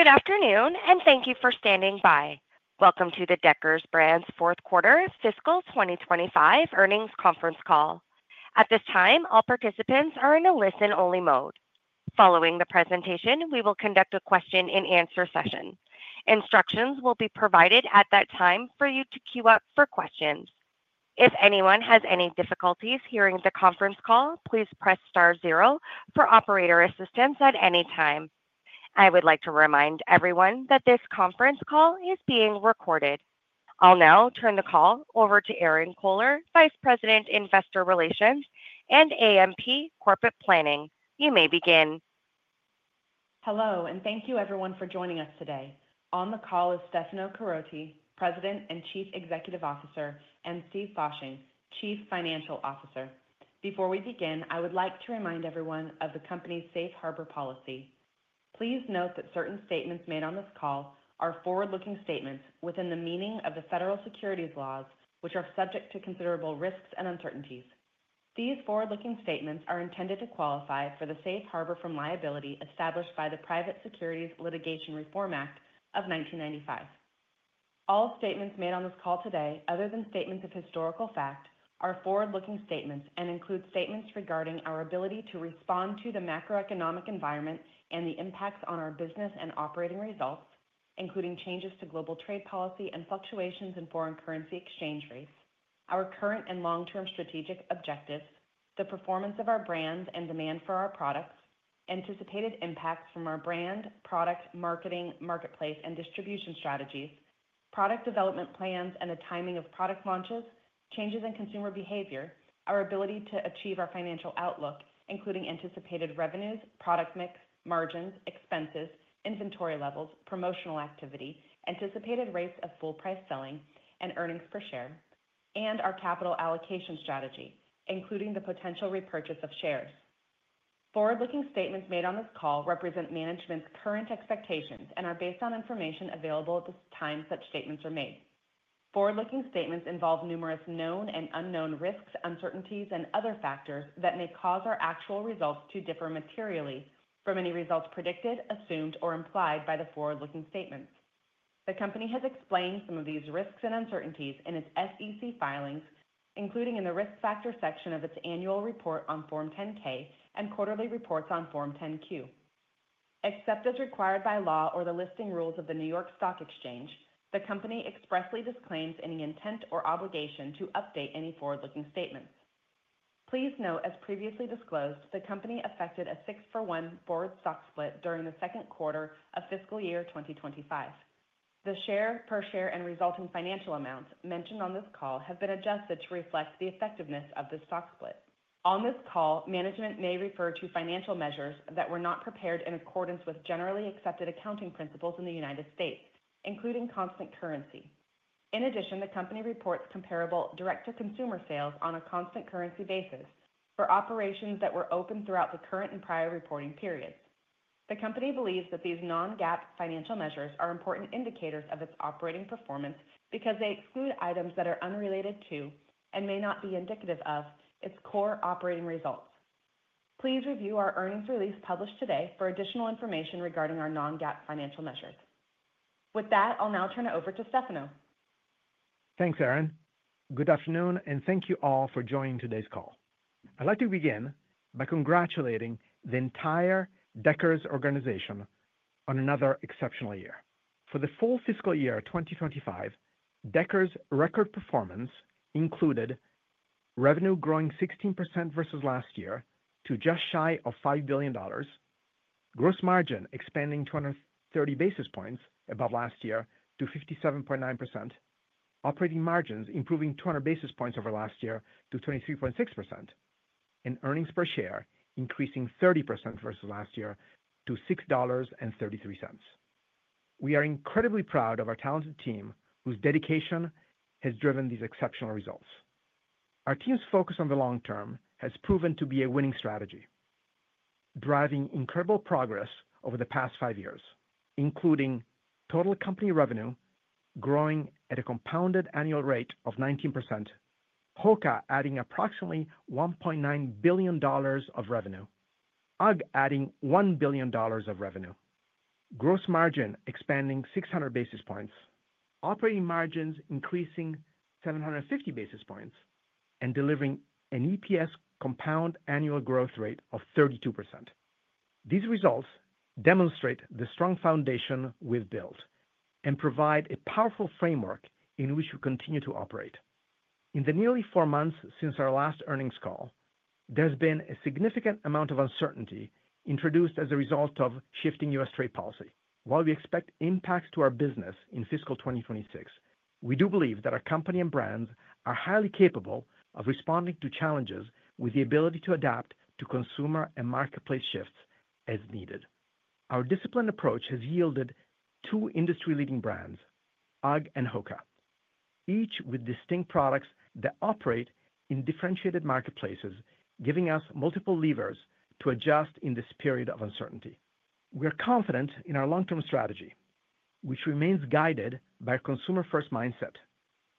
Good afternoon, and thank you for standing by. Welcome to the Deckers Brands fourth quarter fiscal 2025 earnings conference call. At this time, all participants are in a listen-only mode. Following the presentation, we will conduct a question-and-answer session. Instructions will be provided at that time for you to queue up for questions. If anyone has any difficulties hearing the conference call, please press star zero for operator assistance at any time. I would like to remind everyone that this conference call is being recorded. I'll now turn the call over to Erinn Kohler, Vice President, Investor Relations and AMP Corporate Planning. You may begin. Hello, and thank you, everyone, for joining us today. On the call is Stefano Caroti, President and Chief Executive Officer, and Steve Fasching, Chief Financial Officer. Before we begin, I would like to remind everyone of the company's safe harbor policy. Please note that certain statements made on this call are forward-looking statements within the meaning of the federal securities laws, which are subject to considerable risks and uncertainties. These forward-looking statements are intended to qualify for the safe harbor from liability established by the Private Securities Litigation Reform Act of 1995. All statements made on this call today, other than statements of historical fact, are forward-looking statements and include statements regarding our ability to respond to the macroeconomic environment and the impacts on our business and operating results, including changes to global trade policy and fluctuations in foreign currency exchange rates, our current and long-term strategic objectives, the performance of our brands and demand for our products, anticipated impacts from our brand, product, marketing, marketplace, and distribution strategies, product development plans and the timing of product launches, changes in consumer behavior, our ability to achieve our financial outlook, including anticipated revenues, product mix, margins, expenses, inventory levels, promotional activity, anticipated rates of full-price selling and earnings per share, and our capital allocation strategy, including the potential repurchase of shares. Forward-looking statements made on this call represent management's current expectations and are based on information available at the time such statements are made. Forward-looking statements involve numerous known and unknown risks, uncertainties, and other factors that may cause our actual results to differ materially from any results predicted, assumed, or implied by the forward-looking statements. The company has explained some of these risks and uncertainties in its SEC filings, including in the risk factor section of its annual report on Form 10-K and quarterly reports on Form 10-Q. Except as required by law or the listing rules of the New York Stock Exchange, the company expressly disclaims any intent or obligation to update any forward-looking statements. Please note, as previously disclosed, the company affected a six-for-one forward stock split during the second quarter of fiscal year 2025. The share, per share, and resulting financial amounts mentioned on this call have been adjusted to reflect the effectiveness of the stock split. On this call, management may refer to financial measures that were not prepared in accordance with generally accepted accounting principles in the U.S., including constant currency. In addition, the company reports comparable direct-to-consumer sales on a constant currency basis for operations that were open throughout the current and prior reporting periods. The company believes that these non-GAAP financial measures are important indicators of its operating performance because they exclude items that are unrelated to and may not be indicative of its core operating results. Please review our earnings release published today for additional information regarding our non-GAAP financial measures. With that, I'll now turn it over to Stefano. Thanks, Erinn. Good afternoon, and thank you all for joining today's call. I'd like to begin by congratulating the entire Deckers organization on another exceptional year. For the full fiscal year 2025, Deckers' record performance included revenue growing 16% versus last year to just shy of $5 billion, gross margin expanding 230 basis points above last year to 57.9%, operating margins improving 200 basis points over last year to 23.6%, and earnings per share increasing 30% versus last year to $6.33. We are incredibly proud of our talented team whose dedication has driven these exceptional results. Our team's focus on the long term has proven to be a winning strategy, driving incredible progress over the past five years, including total company revenue growing at a compounded annual rate of 19%, HOKA adding approximately $1.9 billion of revenue, UGG adding $1 billion of revenue, gross margin expanding 600 basis points, operating margins increasing 750 basis points, and delivering an EPS compound annual growth rate of 32%. These results demonstrate the strong foundation we've built and provide a powerful framework in which we continue to operate. In the nearly four months since our last earnings call, there's been a significant amount of uncertainty introduced as a result of shifting U.S. trade policy. While we expect impacts to our business in fiscal 2026, we do believe that our company and brands are highly capable of responding to challenges with the ability to adapt to consumer and marketplace shifts as needed. Our disciplined approach has yielded two industry-leading brands, UGG and HOKA, each with distinct products that operate in differentiated marketplaces, giving us multiple levers to adjust in this period of uncertainty. We are confident in our long-term strategy, which remains guided by a consumer-first mindset,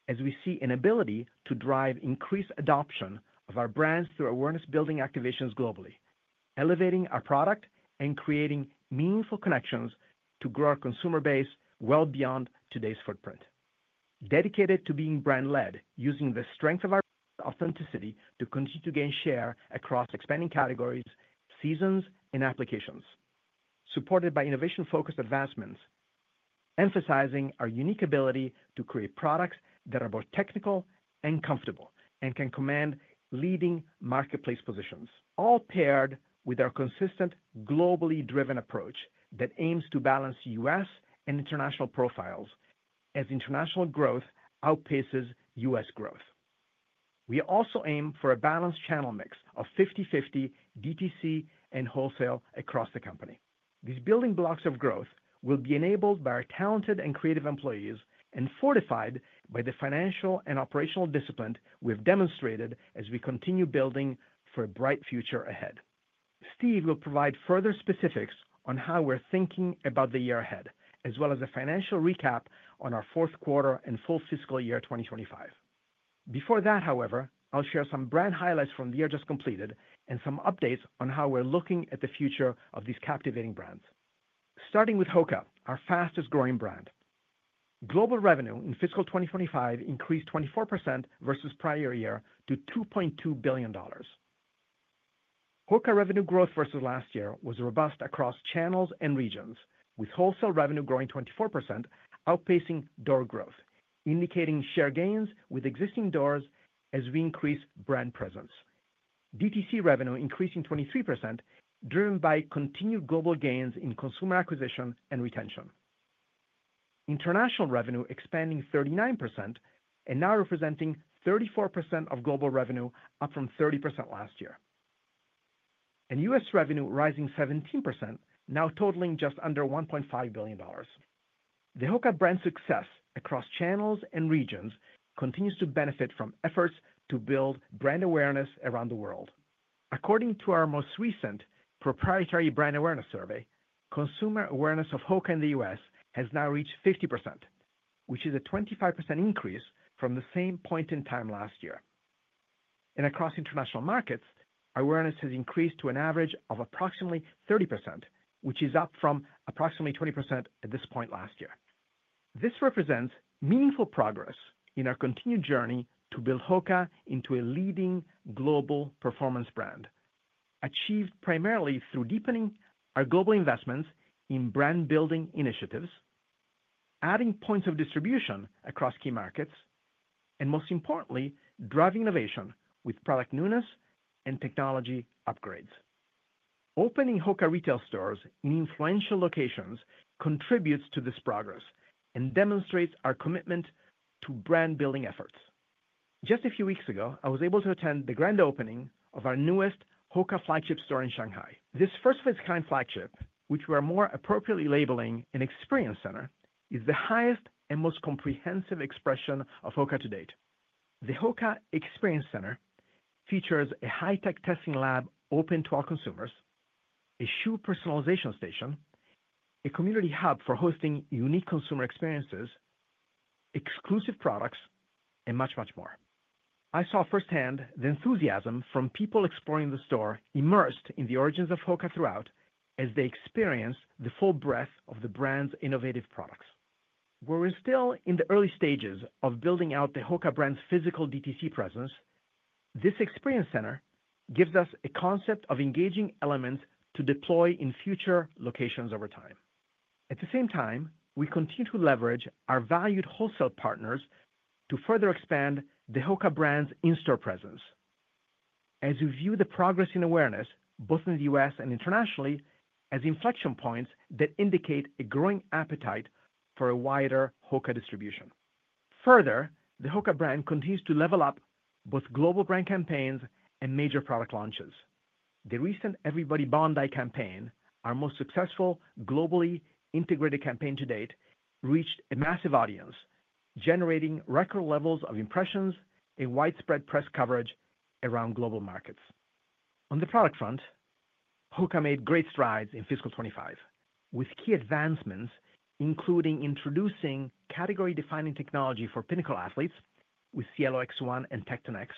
as we see an ability to drive increased adoption of our brands through awareness-building activations globally, elevating our product and creating meaningful connections to grow our consumer base well beyond today's footprint. Dedicated to being brand-led, using the strength of our authenticity to continue to gain share across expanding categories, seasons, and applications, supported by innovation-focused advancements, emphasizing our unique ability to create products that are both technical and comfortable and can command leading marketplace positions, all paired with our consistent globally-driven approach that aims to balance U.S. and international profiles as international growth outpaces U.S. growth. We also aim for a balanced channel mix of 50/50 DTC and wholesale across the company. These building blocks of growth will be enabled by our talented and creative employees and fortified by the financial and operational discipline we've demonstrated as we continue building for a bright future ahead. Steve will provide further specifics on how we're thinking about the year ahead, as well as a financial recap on our fourth quarter and full fiscal year 2025. Before that, however, I'll share some brand highlights from the year just completed and some updates on how we're looking at the future of these captivating brands. Starting with HOKA, our fastest-growing brand. Global revenue in fiscal 2025 increased 24% versus prior year to $2.2 billion. HOKA revenue growth versus last year was robust across channels and regions, with wholesale revenue growing 24%, outpacing door growth, indicating share gains with existing doors as we increase brand presence. DTC revenue increased 23%, driven by continued global gains in consumer acquisition and retention. International revenue expanding 39% and now representing 34% of global revenue, up from 30% last year. U.S. revenue rising 17%, now totaling just under $1.5 billion. The HOKA brand success across channels and regions continues to benefit from efforts to build brand awareness around the world. According to our most recent proprietary brand awareness survey, consumer awareness of HOKA in the U.S. has now reached 50%, which is a 25% increase from the same point in time last year. Across international markets, awareness has increased to an average of approximately 30%, which is up from approximately 20% at this point last year. This represents meaningful progress in our continued journey to build HOKA into a leading global performance brand, achieved primarily through deepening our global investments in brand-building initiatives, adding points of distribution across key markets, and most importantly, driving innovation with product newness and technology upgrades. Opening HOKA retail stores in influential locations contributes to this progress and demonstrates our commitment to brand-building efforts. Just a few weeks ago, I was able to attend the grand opening of our newest HOKA flagship store in Shanghai. This first-of-its-kind flagship, which we are more appropriately labeling an experience center, is the highest and most comprehensive expression of HOKA to date. The HOKA experience center features a high-tech testing lab open to all consumers, a shoe personalization station, a community hub for hosting unique consumer experiences, exclusive products, and much, much more. I saw firsthand the enthusiasm from people exploring the store, immersed in the origins of HOKA throughout, as they experienced the full breadth of the brand's innovative products. While we're still in the early stages of building out the HOKA brand's physical DTC presence, this experience center gives us a concept of engaging elements to deploy in future locations over time. At the same time, we continue to leverage our valued wholesale partners to further expand the HOKA brand's in-store presence, as we view the progress in awareness, both in the U.S. and internationally, as inflection points that indicate a growing appetite for a wider HOKA distribution. Further, the HOKA brand continues to level up both global brand campaigns and major product launches. The recent Everybody Bondi campaign, our most successful globally integrated campaign to date, reached a massive audience, generating record levels of impressions and widespread press coverage around global markets. On the product front, HOKA made great strides in fiscal 2025, with key advancements, including introducing category-defining technology for pinnacle athletes with Cielo X1 and Tecton X,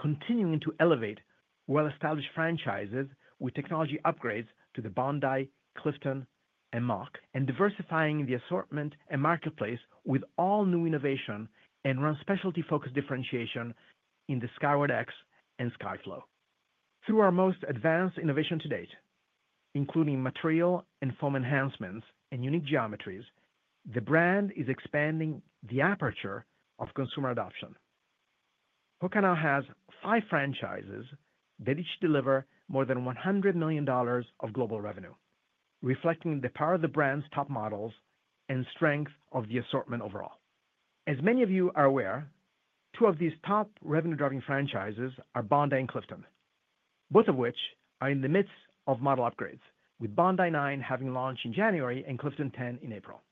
continuing to elevate well-established franchises with technology upgrades to the Bondi, Clifton, and MOC, and diversifying the assortment and marketplace with all new innovation and run specialty-focused differentiation in the Skyward X and Skyflow. Through our most advanced innovation to date, including material and foam enhancements and unique geometries, the brand is expanding the aperture of consumer adoption. HOKA now has five franchises that each deliver more than $100 million of global revenue, reflecting the power of the brand's top models and strength of the assortment overall. As many of you are aware, two of these top revenue-driving franchises are Bondi and Clifton, both of which are in the midst of model upgrades, with Bondi 9 having launched in January and Clifton 10 in April.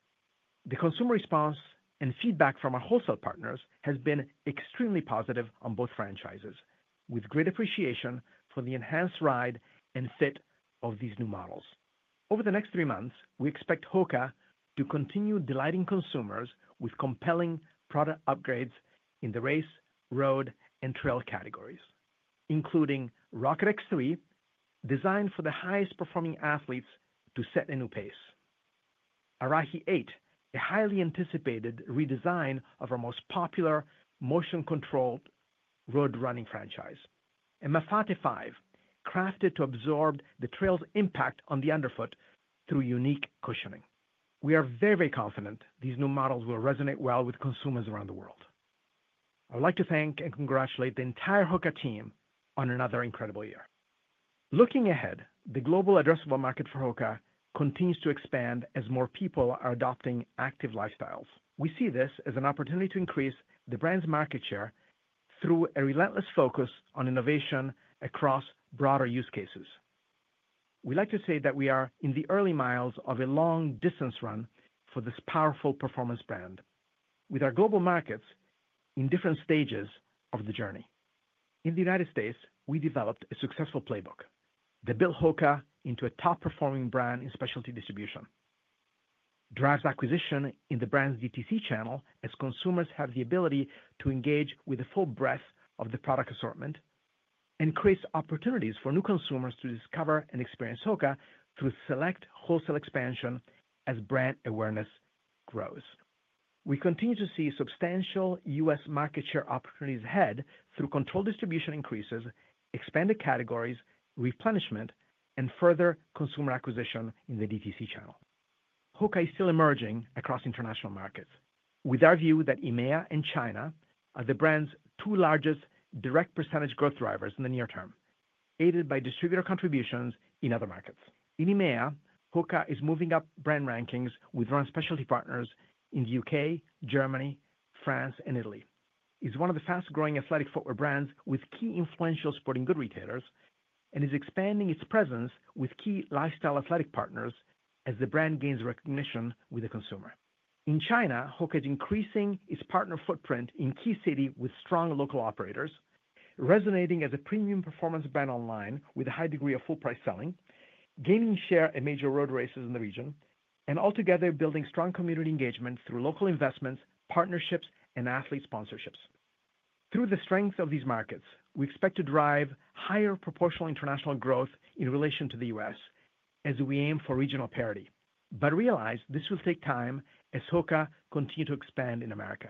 The consumer response and feedback from our wholesale partners has been extremely positive on both franchises, with great appreciation for the enhanced ride and fit of these new models. Over the next three months, we expect HOKA to continue delighting consumers with compelling product upgrades in the race, road, and trail categories, including Rocket X3, designed for the highest-performing athletes to set a new pace; Arahi 8, a highly anticipated redesign of our most popular motion-controlled road running franchise; and Mafate 5, crafted to absorb the trail's impact on the underfoot through unique cushioning. We are very, very confident these new models will resonate well with consumers around the world. I would like to thank and congratulate the entire HOKA team on another incredible year. Looking ahead, the global addressable market for HOKA continues to expand as more people are adopting active lifestyles. We see this as an opportunity to increase the brand's market share through a relentless focus on innovation across broader use cases. We like to say that we are in the early miles of a long-distance run for this powerful performance brand, with our global markets in different stages of the journey. In the U.S., we developed a successful playbook that built HOKA into a top-performing brand in specialty distribution. Drives acquisition in the brand's DTC channel as consumers have the ability to engage with the full breadth of the product assortment and creates opportunities for new consumers to discover and experience HOKA through select wholesale expansion as brand awareness grows. We continue to see substantial U.S. market share opportunities ahead through controlled distribution increases, expanded categories, replenishment, and further consumer acquisition in the DTC channel. HOKA is still emerging across international markets, with our view that EMEA and China are the brand's two largest direct percentage growth drivers in the near term, aided by distributor contributions in other markets. In EMEA, HOKA is moving up brand rankings with run specialty partners in the U.K., Germany, France, and Italy. It's one of the fastest-growing athletic footwear brands with key influential sporting goods retailers and is expanding its presence with key lifestyle athletic partners as the brand gains recognition with the consumer. In China, HOKA is increasing its partner footprint in key city with strong local operators, resonating as a premium performance brand online with a high degree of full-price selling, gaining share in major road races in the region, and altogether building strong community engagement through local investments, partnerships, and athlete sponsorships. Through the strength of these markets, we expect to drive higher proportional international growth in relation to the U.S. as we aim for regional parity, but realize this will take time as HOKA continues to expand in America.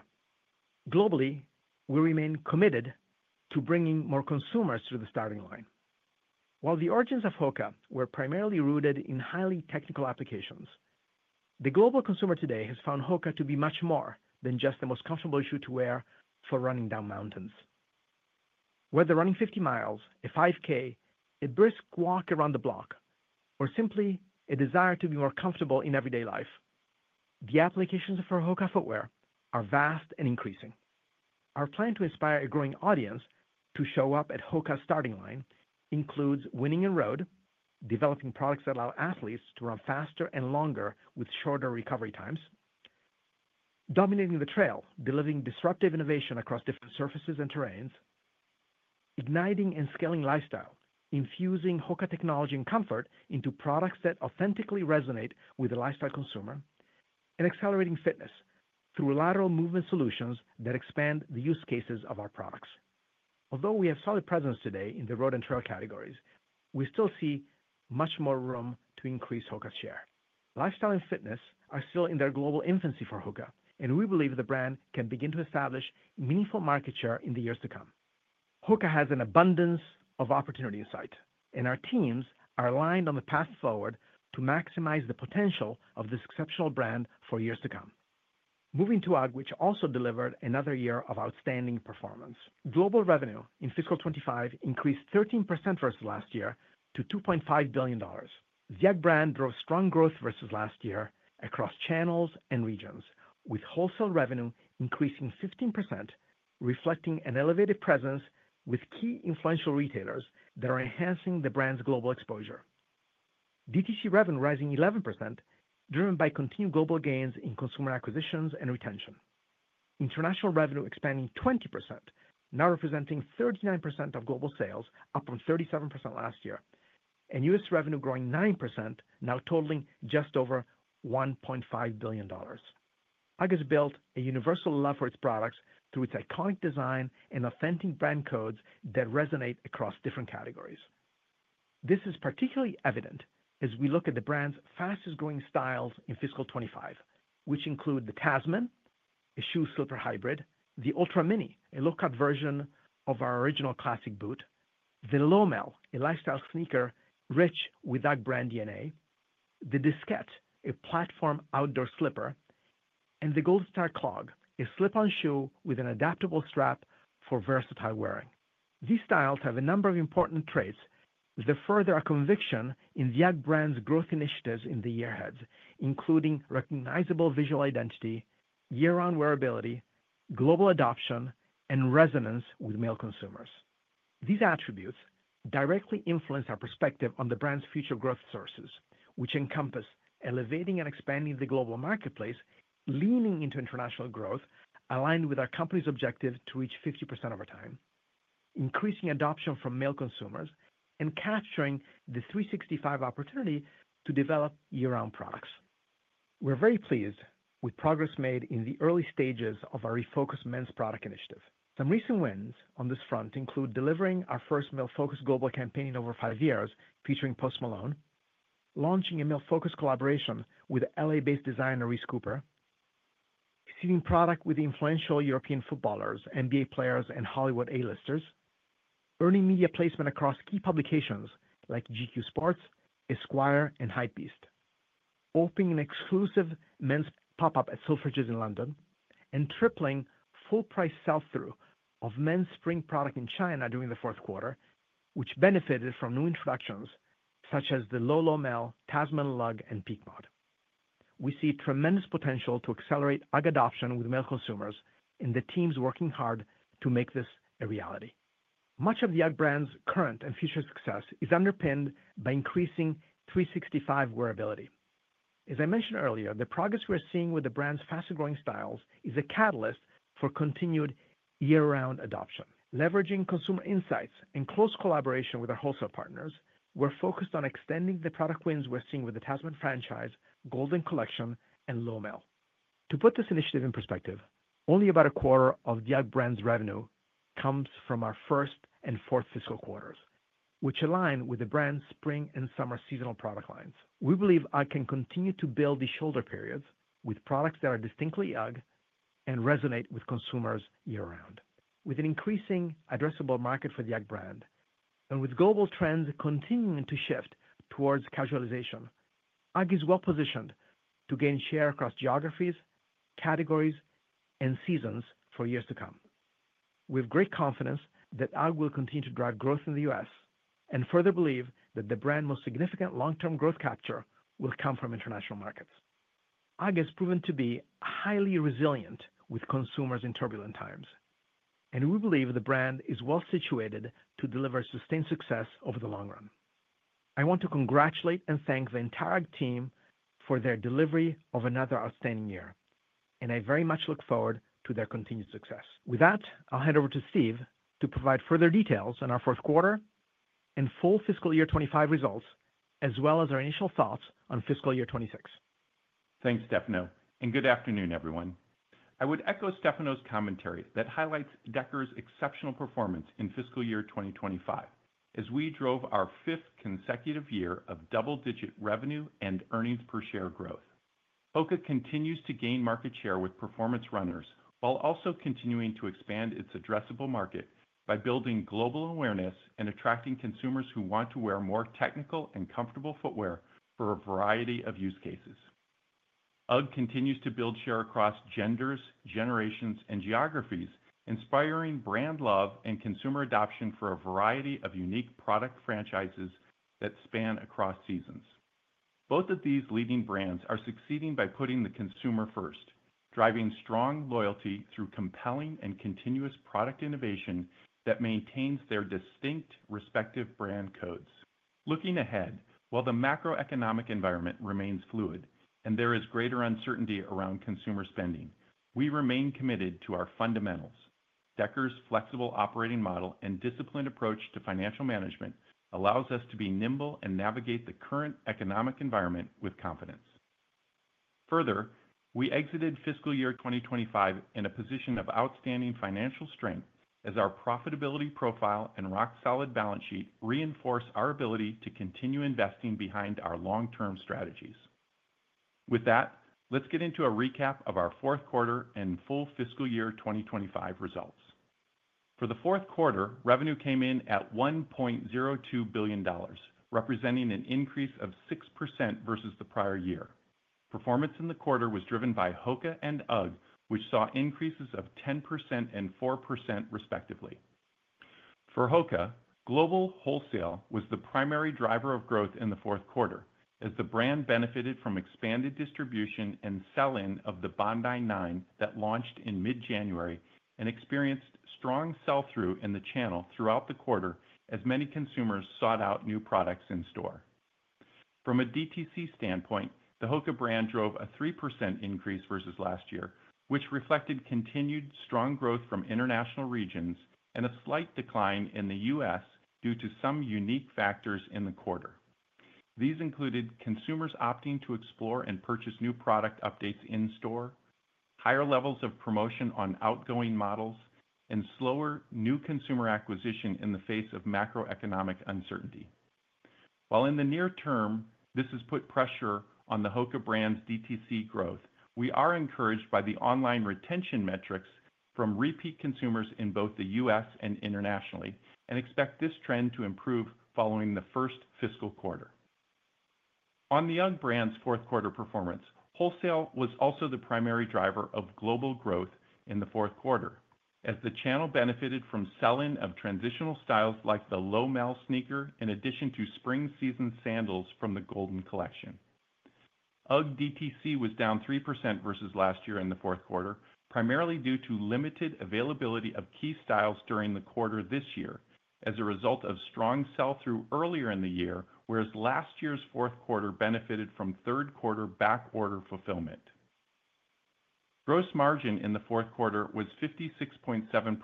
Globally, we remain committed to bringing more consumers through the starting line. While the origins of HOKA were primarily rooted in highly technical applications, the global consumer today has found HOKA to be much more than just the most comfortable shoe to wear for running down mountains. Whether running 50 mi, a 5K, a brisk walk around the block, or simply a desire to be more comfortable in everyday life, the applications for HOKA footwear are vast and increasing. Our plan to inspire a growing audience to show up at HOKA's starting line includes winning on road, developing products that allow athletes to run faster and longer with shorter recovery times, dominating the trail, delivering disruptive innovation across different surfaces and terrains, igniting and scaling lifestyle, infusing HOKA technology and comfort into products that authentically resonate with the lifestyle consumer, and accelerating fitness through lateral movement solutions that expand the use cases of our products. Although we have solid presence today in the road and trail categories, we still see much more room to increase HOKA's share. Lifestyle and fitness are still in their global infancy for HOKA, and we believe the brand can begin to establish meaningful market share in the years to come. HOKA has an abundance of opportunity in sight, and our teams are aligned on the path forward to maximize the potential of this exceptional brand for years to come. Moving to UGG, which also delivered another year of outstanding performance. Global revenue in fiscal 2025 increased 13% versus last year to $2.5 billion. The UGG brand drove strong growth versus last year across channels and regions, with wholesale revenue increasing 15%, reflecting an elevated presence with key influential retailers that are enhancing the brand's global exposure. DTC revenue rising 11%, driven by continued global gains in consumer acquisitions and retention. International revenue expanding 20%, now representing 39% of global sales, up from 37% last year, and U.S. revenue growing 9%, now totaling just over $1.5 billion. UGG has built a universal love for its products through its iconic design and authentic brand codes that resonate across different categories. This is particularly evident as we look at the brand's fastest-growing styles in fiscal 2025, which include the Tasman, a shoe-slipper hybrid, the Ultra Mini, a low-cut version of our original classic boot, the Lowmel, a lifestyle sneaker rich with UGG brand DNA, the Disquette, a platform outdoor slipper, and the Golden Star Clog, a slip-on shoe with an adaptable strap for versatile wearing. These styles have a number of important traits that further our conviction in the UGG brand's growth initiatives in the years ahead, including recognizable visual identity, year-round wearability, global adoption, and resonance with male consumers. These attributes directly influence our perspective on the brand's future growth sources, which encompass elevating and expanding the global marketplace, leaning into international growth, aligned with our company's objective to reach 50% over time, increasing adoption from male consumers, and capturing the 365 opportunity to develop year-round products. We're very pleased with progress made in the early stages of our refocused men's product initiative. Some recent wins on this front include delivering our first male-focused global campaign in over five years, featuring Post Malone, launching a male-focused collaboration with LA-based designer Reese Cooper, seeding product with influential European footballers, NBA players, and Hollywood A-listers, earning media placement across key publications like GQ Sports, Esquire, and Hypebeast, opening an exclusive men's pop-up at Selfridges in London, and tripling full-price sell-through of men's spring product in China during the fourth quarter, which benefited from new introductions such as the Low Lowmel, Tasman Lug, and Peak Mod. We see tremendous potential to accelerate UGG adoption with male consumers and the team's working hard to make this a reality. Much of the UGG brand's current and future success is underpinned by increasing 365 wearability. As I mentioned earlier, the progress we're seeing with the brand's fastest-growing styles is a catalyst for continued year-round adoption. Leveraging consumer insights and close collaboration with our wholesale partners, we're focused on extending the product wins we're seeing with the Tasman franchise, Golden Collection, and Lowmel. To put this initiative in perspective, only about a quarter of the UGG brand's revenue comes from our first and fourth fiscal quarters, which align with the brand's spring and summer seasonal product lines. We believe UGG can continue to build these shoulder periods with products that are distinctly UGG and resonate with consumers year-round. With an increasing addressable market for the UGG brand and with global trends continuing to shift towards casualization, UGG is well-positioned to gain share across geographies, categories, and seasons for years to come. We have great confidence that UGG will continue to drive growth in the U.S. and further believe that the brand's most significant long-term growth capture will come from international markets. UGG has proven to be highly resilient with consumers in turbulent times, and we believe the brand is well-situated to deliver sustained success over the long run. I want to congratulate and thank the entire UGG team for their delivery of another outstanding year, and I very much look forward to their continued success. With that, I'll hand over to Steve to provide further details on our fourth quarter and full fiscal year 2025 results, as well as our initial thoughts on fiscal year 2026. Thanks, Stefano, and good afternoon, everyone. I would echo Stefano's commentary that highlights Deckers' exceptional performance in fiscal year 2025 as we drove our fifth consecutive year of double-digit revenue and earnings per share growth. HOKA continues to gain market share with performance runners while also continuing to expand its addressable market by building global awareness and attracting consumers who want to wear more technical and comfortable footwear for a variety of use cases. UGG continues to build share across genders, generations, and geographies, inspiring brand love and consumer adoption for a variety of unique product franchises that span across seasons. Both of these leading brands are succeeding by putting the consumer first, driving strong loyalty through compelling and continuous product innovation that maintains their distinct respective brand codes. Looking ahead, while the macroeconomic environment remains fluid and there is greater uncertainty around consumer spending, we remain committed to our fundamentals. Deckers' flexible operating model and disciplined approach to financial management allows us to be nimble and navigate the current economic environment with confidence. Further, we exited fiscal year 2025 in a position of outstanding financial strength as our profitability profile and rock-solid balance sheet reinforce our ability to continue investing behind our long-term strategies. With that, let's get into a recap of our fourth quarter and full fiscal year 2025 results. For the fourth quarter, revenue came in at $1.02 billion, representing an increase of 6% versus the prior year. Performance in the quarter was driven by HOKA and UGG, which saw increases of 10% and 4%, respectively. For HOKA, global wholesale was the primary driver of growth in the fourth quarter as the brand benefited from expanded distribution and sell-in of the Bondi 9 that launched in mid-January and experienced strong sell-through in the channel throughout the quarter as many consumers sought out new products in store. From a DTC standpoint, the HOKA brand drove a 3% increase versus last year, which reflected continued strong growth from international regions and a slight decline in the U.S. due to some unique factors in the quarter. These included consumers opting to explore and purchase new product updates in store, higher levels of promotion on outgoing models, and slower new consumer acquisition in the face of macroeconomic uncertainty. While in the near term, this has put pressure on the HOKA brand's DTC growth, we are encouraged by the online retention metrics from repeat consumers in both the U.S. and internationally and expect this trend to improve following the first fiscal quarter. On the UGG brand's fourth quarter performance, wholesale was also the primary driver of global growth in the fourth quarter as the channel benefited from sell-in of transitional styles like the Lowmel sneaker in addition to spring season sandals from the Golden Collection. UGG DTC was down 3% versus last year in the fourth quarter, primarily due to limited availability of key styles during the quarter this year as a result of strong sell-through earlier in the year, whereas last year's fourth quarter benefited from third quarter backorder fulfillment. Gross margin in the fourth quarter was 56.7%,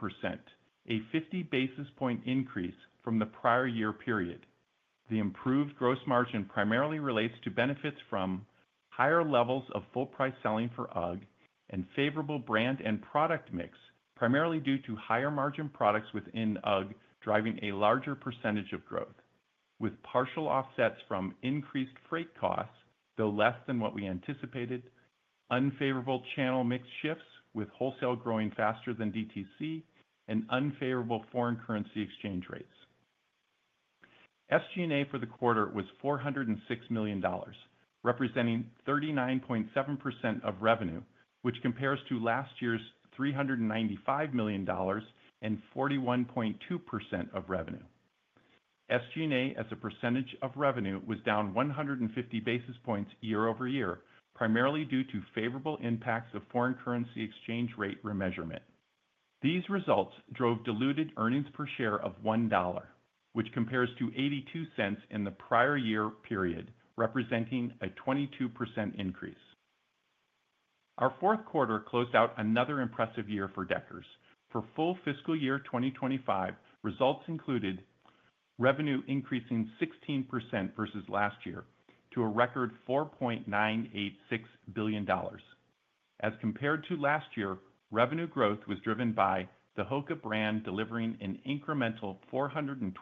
a 50 basis point increase from the prior year period. The improved gross margin primarily relates to benefits from higher levels of full-price selling for UGG and favorable brand and product mix, primarily due to higher margin products within UGG driving a larger percentage of growth, with partial offsets from increased freight costs, though less than what we anticipated, unfavorable channel mix shifts with wholesale growing faster than DTC, and unfavorable foreign currency exchange rates. SG&A for the quarter was $406 million, representing 39.7% of revenue, which compares to last year's $395 million and 41.2% of revenue. SG&A as a percentage of revenue was down 150 basis points year-over-year, primarily due to favorable impacts of foreign currency exchange rate remeasurement. These results drove diluted earnings per share of $1, which compares to $0.82 in the prior year period, representing a 22% increase. Our fourth quarter closed out another impressive year for Deckers. For full fiscal year 2025, results included revenue increasing 16% versus last year to a record $4.986 billion. As compared to last year, revenue growth was driven by the HOKA brand delivering an incremental $426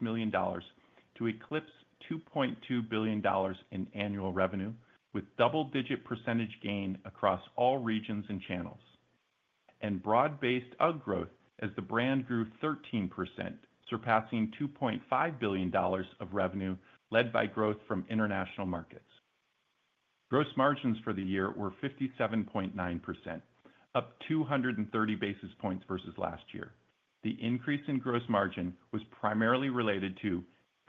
million to eclipse $2.2 billion in annual revenue, with double-digit % gain across all regions and channels, and broad-based UGG growth as the brand grew 13%, surpassing $2.5 billion of revenue led by growth from international markets. Gross margins for the year were 57.9%, up 230 basis points versus last year. The increase in gross margin was primarily related to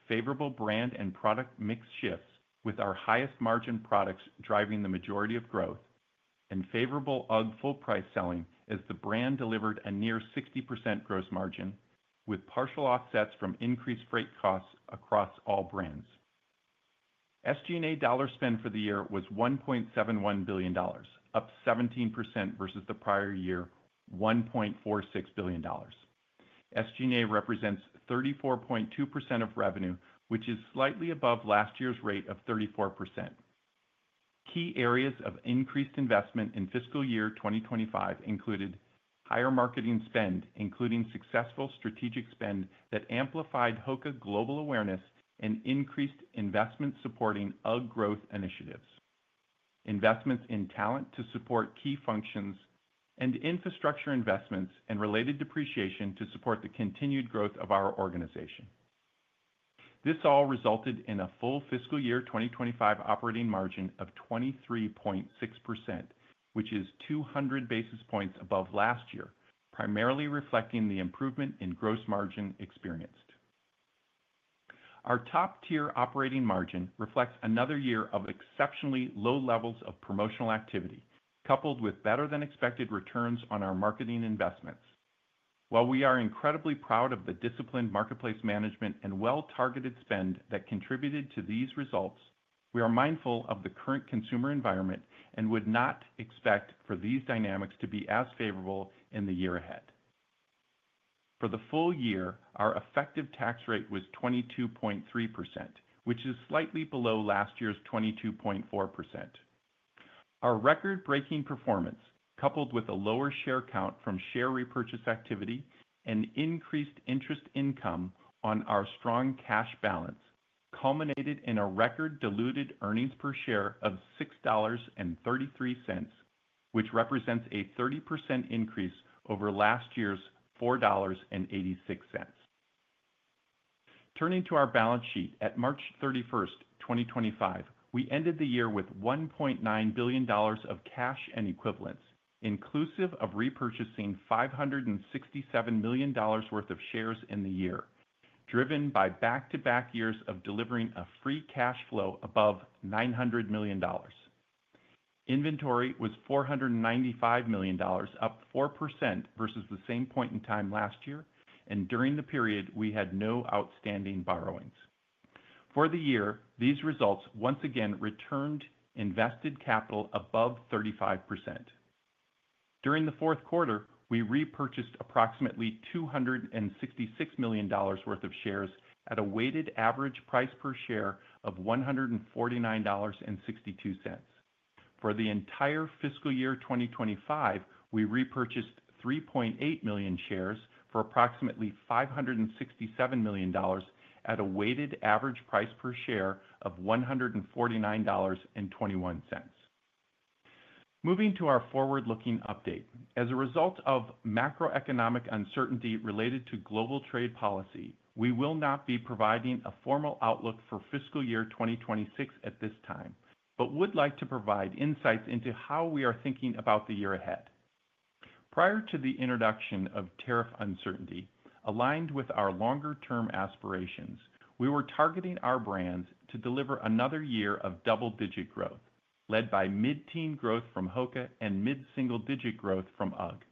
favorable brand and product mix shifts, with our highest margin products driving the majority of growth and favorable UGG full-price selling as the brand delivered a near 60% gross margin, with partial offsets from increased freight costs across all brands. SG&A dollar spend for the year was $1.71 billion, up 17% versus the prior year of $1.46 billion. SG&A represents 34.2% of revenue, which is slightly above last year's rate of 34%. Key areas of increased investment in fiscal year 2025 included higher marketing spend, including successful strategic spend that amplified HOKA global awareness and increased investment supporting AG growth initiatives, investments in talent to support key functions, and infrastructure investments and related depreciation to support the continued growth of our organization. This all resulted in a full fiscal year 2025 operating margin of 23.6%, which is 200 basis points above last year, primarily reflecting the improvement in gross margin experienced. Our top-tier operating margin reflects another year of exceptionally low levels of promotional activity, coupled with better-than-expected returns on our marketing investments. While we are incredibly proud of the disciplined marketplace management and well-targeted spend that contributed to these results, we are mindful of the current consumer environment and would not expect for these dynamics to be as favorable in the year ahead. For the full year, our effective tax rate was 22.3%, which is slightly below last year's 22.4%. Our record-breaking performance, coupled with a lower share count from share repurchase activity and increased interest income on our strong cash balance, culminated in a record-diluted earnings per share of $6.33, which represents a 30% increase over last year's $4.86. Turning to our balance sheet, at March 31st, 2025, we ended the year with $1.9 billion of cash and equivalents, inclusive of repurchasing $567 million worth of shares in the year, driven by back-to-back years of delivering a free cash flow above $900 million. Inventory was $495 million, up 4% versus the same point in time last year, and during the period, we had no outstanding borrowings. For the year, these results once again returned invested capital above 35%. During the fourth quarter, we repurchased approximately $266 million worth of shares at a weighted average price per share of $149.62. For the entire fiscal year 2025, we repurchased 3.8 million shares for approximately $567 million at a weighted average price per share of $149.21. Moving to our forward-looking update, as a result of macroeconomic uncertainty related to global trade policy, we will not be providing a formal outlook for fiscal year 2026 at this time, but would like to provide insights into how we are thinking about the year ahead. Prior to the introduction of tariff uncertainty, aligned with our longer-term aspirations, we were targeting our brands to deliver another year of double-digit growth, led by mid-teen growth from HOKA and mid-single-digit growth from UGG.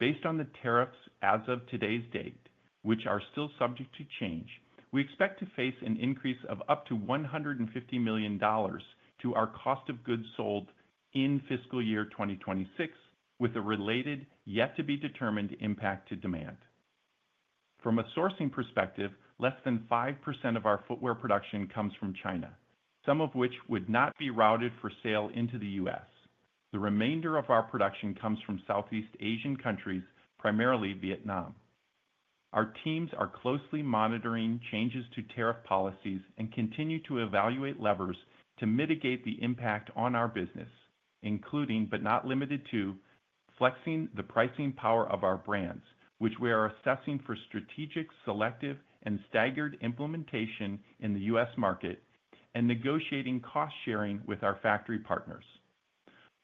Based on the tariffs as of today's date, which are still subject to change, we expect to face an increase of up to $150 million to our cost of goods sold in fiscal year 2026, with a related yet-to-be-determined impact to demand. From a sourcing perspective, less than 5% of our footwear production comes from China, some of which would not be routed for sale into the U.S. The remainder of our production comes from Southeast Asian countries, primarily Vietnam. Our teams are closely monitoring changes to tariff policies and continue to evaluate levers to mitigate the impact on our business, including, but not limited to, flexing the pricing power of our brands, which we are assessing for strategic, selective, and staggered implementation in the U.S. market, and negotiating cost-sharing with our factory partners.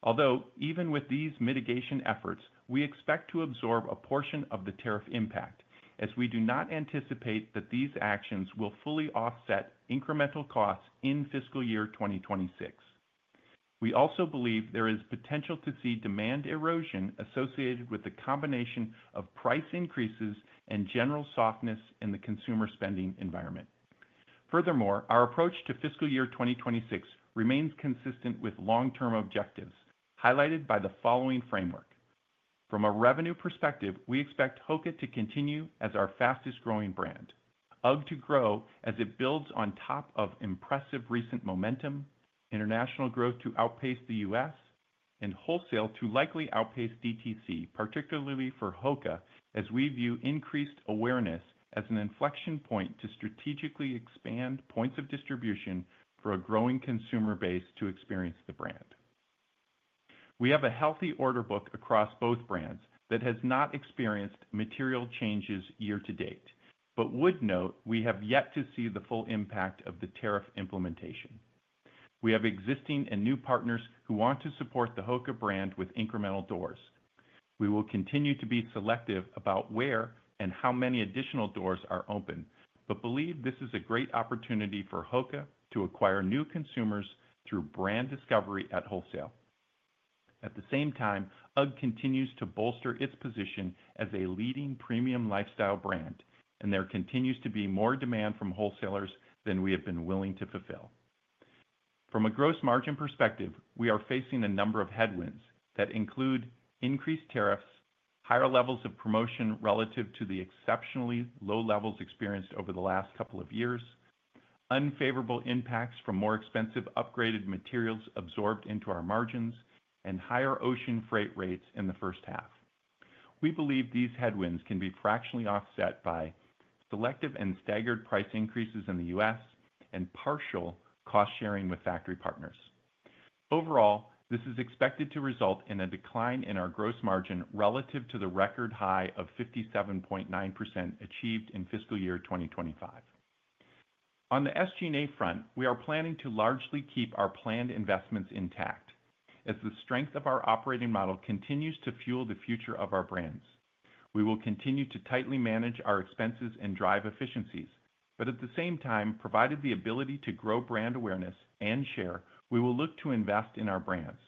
Although, even with these mitigation efforts, we expect to absorb a portion of the tariff impact, as we do not anticipate that these actions will fully offset incremental costs in fiscal year 2026. We also believe there is potential to see demand erosion associated with the combination of price increases and general softness in the consumer spending environment. Furthermore, our approach to fiscal year 2026 remains consistent with long-term objectives, highlighted by the following framework. From a revenue perspective, we expect HOKA to continue as our fastest-growing brand, UGG to grow as it builds on top of impressive recent momentum, international growth to outpace the U.S., and wholesale to likely outpace DTC, particularly for HOKA, as we view increased awareness as an inflection point to strategically expand points of distribution for a growing consumer base to experience the brand. We have a healthy order book across both brands that has not experienced material changes year to date, but would note we have yet to see the full impact of the tariff implementation. We have existing and new partners who want to support the HOKA brand with incremental doors. We will continue to be selective about where and how many additional doors are open, but believe this is a great opportunity for HOKA to acquire new consumers through brand discovery at wholesale. At the same time, UGG continues to bolster its position as a leading premium lifestyle brand, and there continues to be more demand from wholesalers than we have been willing to fulfill. From a gross margin perspective, we are facing a number of headwinds that include increased tariffs, higher levels of promotion relative to the exceptionally low levels experienced over the last couple of years, unfavorable impacts from more expensive upgraded materials absorbed into our margins, and higher ocean freight rates in the first half. We believe these headwinds can be fractionally offset by selective and staggered price increases in the U.S. and partial cost-sharing with factory partners. Overall, this is expected to result in a decline in our gross margin relative to the record high of 57.9% achieved in fiscal year 2025. On the SG&A front, we are planning to largely keep our planned investments intact, as the strength of our operating model continues to fuel the future of our brands. We will continue to tightly manage our expenses and drive efficiencies, but at the same time, provided the ability to grow brand awareness and share, we will look to invest in our brands.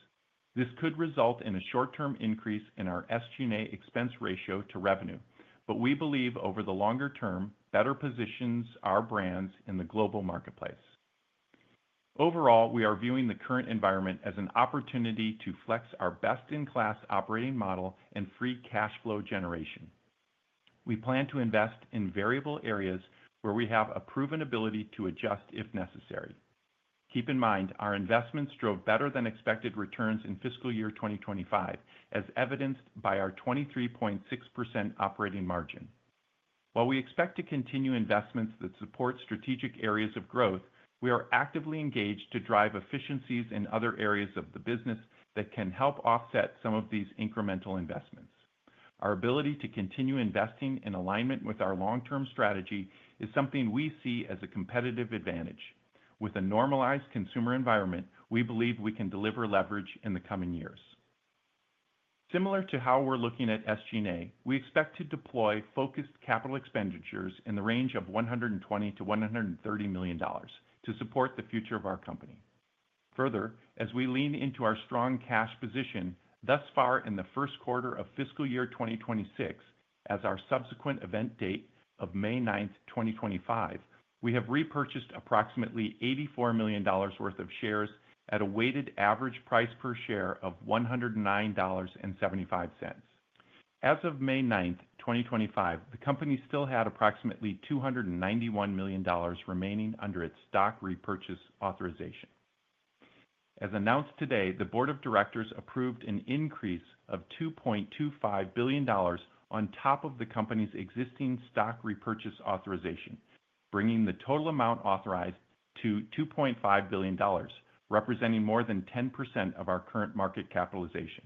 This could result in a short-term increase in our SG&A expense ratio to revenue, but we believe over the longer term, better positions our brands in the global marketplace. Overall, we are viewing the current environment as an opportunity to flex our best-in-class operating model and free cash flow generation. We plan to invest in variable areas where we have a proven ability to adjust if necessary. Keep in mind, our investments drove better-than-expected returns in fiscal year 2025, as evidenced by our 23.6% operating margin. While we expect to continue investments that support strategic areas of growth, we are actively engaged to drive efficiencies in other areas of the business that can help offset some of these incremental investments. Our ability to continue investing in alignment with our long-term strategy is something we see as a competitive advantage. With a normalized consumer environment, we believe we can deliver leverage in the coming years. Similar to how we're looking at SG&A, we expect to deploy focused capital expenditures in the range of $120 million-$130 million to support the future of our company. Further, as we lean into our strong cash position thus far in the first quarter of fiscal year 2026, as of our subsequent event date of May 9th, 2025, we have repurchased approximately $84 million worth of shares at a weighted average price per share of $109.75. As of May 9th, 2025, the company still had approximately $291 million remaining under its stock repurchase authorization. As announced today, the Board of Directors approved an increase of $2.25 billion on top of the company's existing stock repurchase authorization, bringing the total amount authorized to $2.5 billion, representing more than 10% of our current market capitalization.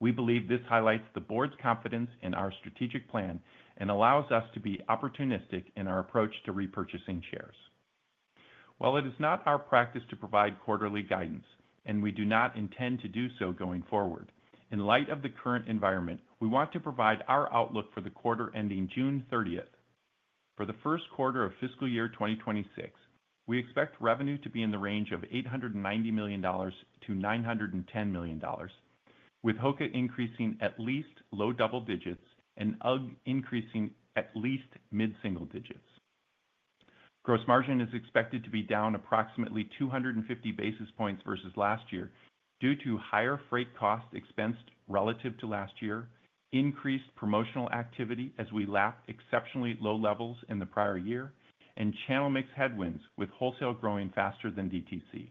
We believe this highlights the board's confidence in our strategic plan and allows us to be opportunistic in our approach to repurchasing shares. While it is not our practice to provide quarterly guidance, and we do not intend to do so going forward, in light of the current environment, we want to provide our outlook for the quarter ending June 30th. For the first quarter of fiscal year 2026, we expect revenue to be in the range of $890 million-$910 million, with HOKA increasing at least low double digits and UGG increasing at least mid-single digits. Gross margin is expected to be down approximately 250 basis points versus last year due to higher freight costs expensed relative to last year, increased promotional activity as we lap exceptionally low levels in the prior year, and channel mix headwinds with wholesale growing faster than DTC.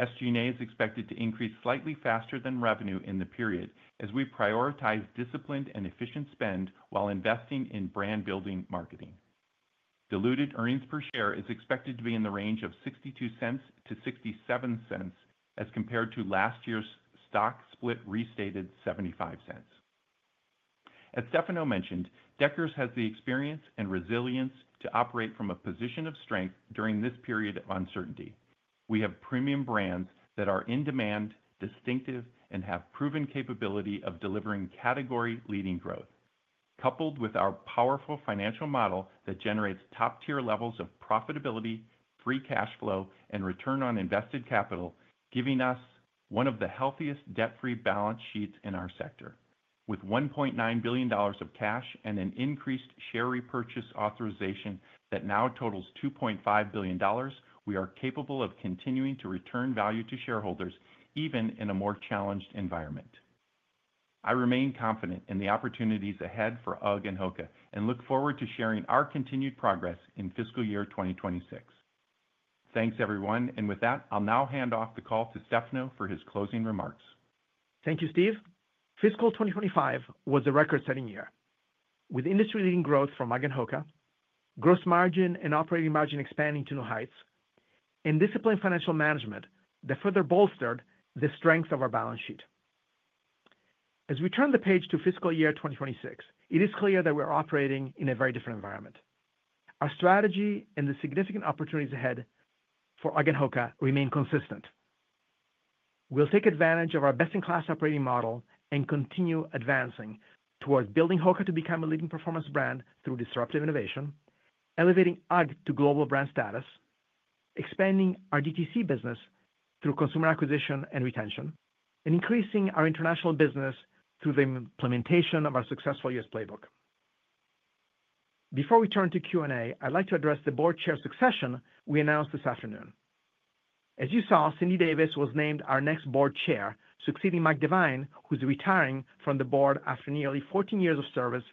SG&A is expected to increase slightly faster than revenue in the period as we prioritize disciplined and efficient spend while investing in brand-building marketing. Diluted earnings per share is expected to be in the range of $0.62-$0.67 as compared to last year's stock split restated $0.75. As Stefano mentioned, Deckers has the experience and resilience to operate from a position of strength during this period of uncertainty. We have premium brands that are in demand, distinctive, and have proven capability of delivering category-leading growth, coupled with our powerful financial model that generates top-tier levels of profitability, free cash flow, and return on invested capital, giving us one of the healthiest debt-free balance sheets in our sector. With $1.9 billion of cash and an increased share repurchase authorization that now totals $2.5 billion, we are capable of continuing to return value to shareholders even in a more challenged environment. I remain confident in the opportunities ahead for UGG and HOKA and look forward to sharing our continued progress in fiscal year 2026. Thanks, everyone. With that, I'll now hand off the call to Stefano for his closing remarks. Thank you, Steve. Fiscal 2025 was a record-setting year, with industry-leading growth from UGG and HOKA, gross margin and operating margin expanding to new heights, and disciplined financial management that further bolstered the strength of our balance sheet. As we turn the page to fiscal year 2026, it is clear that we are operating in a very different environment. Our strategy and the significant opportunities ahead for UGG and HOKA remain consistent. We'll take advantage of our best-in-class operating model and continue advancing towards building HOKA to become a leading performance brand through disruptive innovation, elevating UGG to global brand status, expanding our DTC business through consumer acquisition and retention, and increasing our international business through the implementation of our successful U.S. playbook. Before we turn to Q&A, I'd like to address the board chair succession we announced this afternoon. As you saw, Cindy Davis was named our next board chair, succeeding Mike Devine, who's retiring from the board after nearly 14 years of service,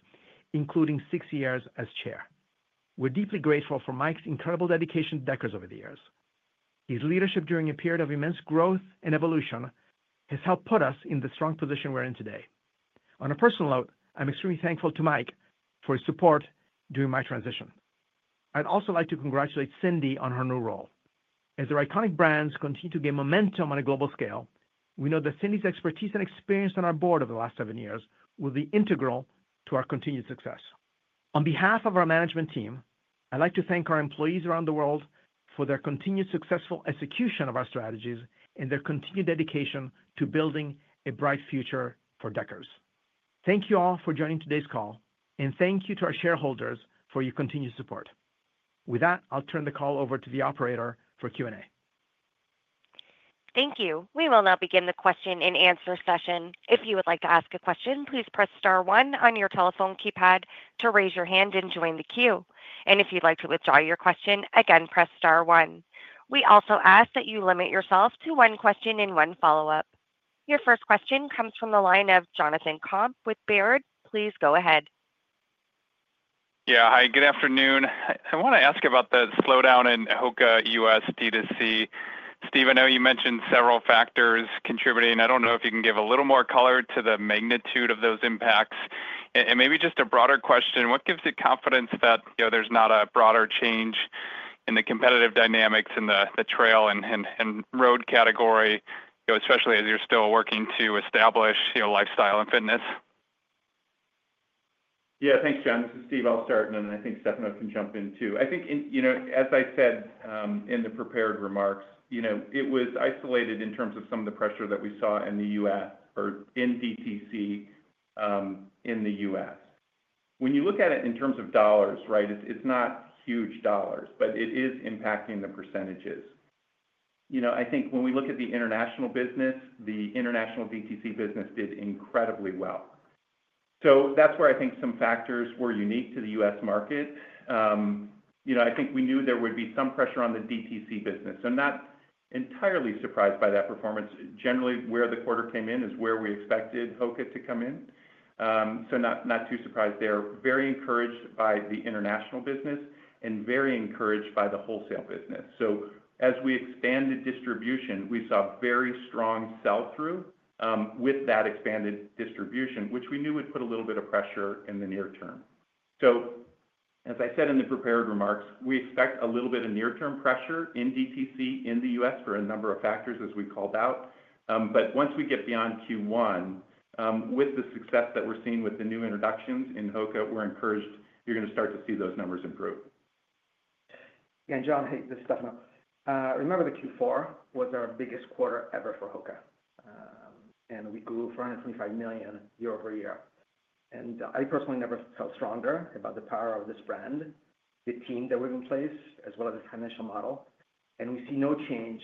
including six years as chair. We're deeply grateful for Mike's incredible dedication to Deckers over the years. His leadership during a period of immense growth and evolution has helped put us in the strong position we're in today. On a personal note, I'm extremely thankful to Mike for his support during my transition. I'd also like to congratulate Cindy on her new role. As their iconic brands continue to gain momentum on a global scale, we know that Cindy's expertise and experience on our board over the last seven years will be integral to our continued success. On behalf of our management team, I'd like to thank our employees around the world for their continued successful execution of our strategies and their continued dedication to building a bright future for Deckers. Thank you all for joining today's call, and thank you to our shareholders for your continued support. With that, I'll turn the call over to the operator for Q&A. Thank you. We will now begin the question-and-answer session. If you would like to ask a question, please press star one on your telephone keypad to raise your hand and join the queue. If you'd like to withdraw your question, again, press star one. We also ask that you limit yourself to one question and one follow-up. Your first question comes from the line of Jonathan Komp with Baird. Please go ahead. Yeah. Hi. Good afternoon. I want to ask about the slowdown in HOKA, U.S., DTC. Steve, I know you mentioned several factors contributing. I don't know if you can give a little more color to the magnitude of those impacts. And maybe just a broader question, what gives you confidence that there's not a broader change in the competitive dynamics in the trail and road category, especially as you're still working to establish lifestyle and fitness? Yeah. Thanks, John. This is Steve Fasching, and I think Stefano can jump in too. I think, as I said in the prepared remarks, it was isolated in terms of some of the pressure that we saw in the U.S. or in DTC in the U.S. When you look at it in terms of dollars, right, it's not huge dollars, but it is impacting the percentages. I think when we look at the international business, the international DTC business did incredibly well. That is where I think some factors were unique to the U.S. market. I think we knew there would be some pressure on the DTC business. I'm not entirely surprised by that performance. Generally, where the quarter came in is where we expected HOKA to come in. Not too surprised. Very encouraged by the international business and very encouraged by the wholesale business. As we expanded distribution, we saw very strong sell-through with that expanded distribution, which we knew would put a little bit of pressure in the near term. As I said in the prepared remarks, we expect a little bit of near-term pressure in DTC in the U.S. for a number of factors, as we called out. Once we get beyond Q1, with the success that we are seeing with the new introductions in HOKA, we are encouraged you are going to start to see those numbers improve. Yeah. John, hey, this is Stefano. Remember the Q4 was our biggest quarter ever for HOKA, and we grew $425 million year-over-year. I personally never felt stronger about the power of this brand, the team that we have in place, as well as the financial model. We see no change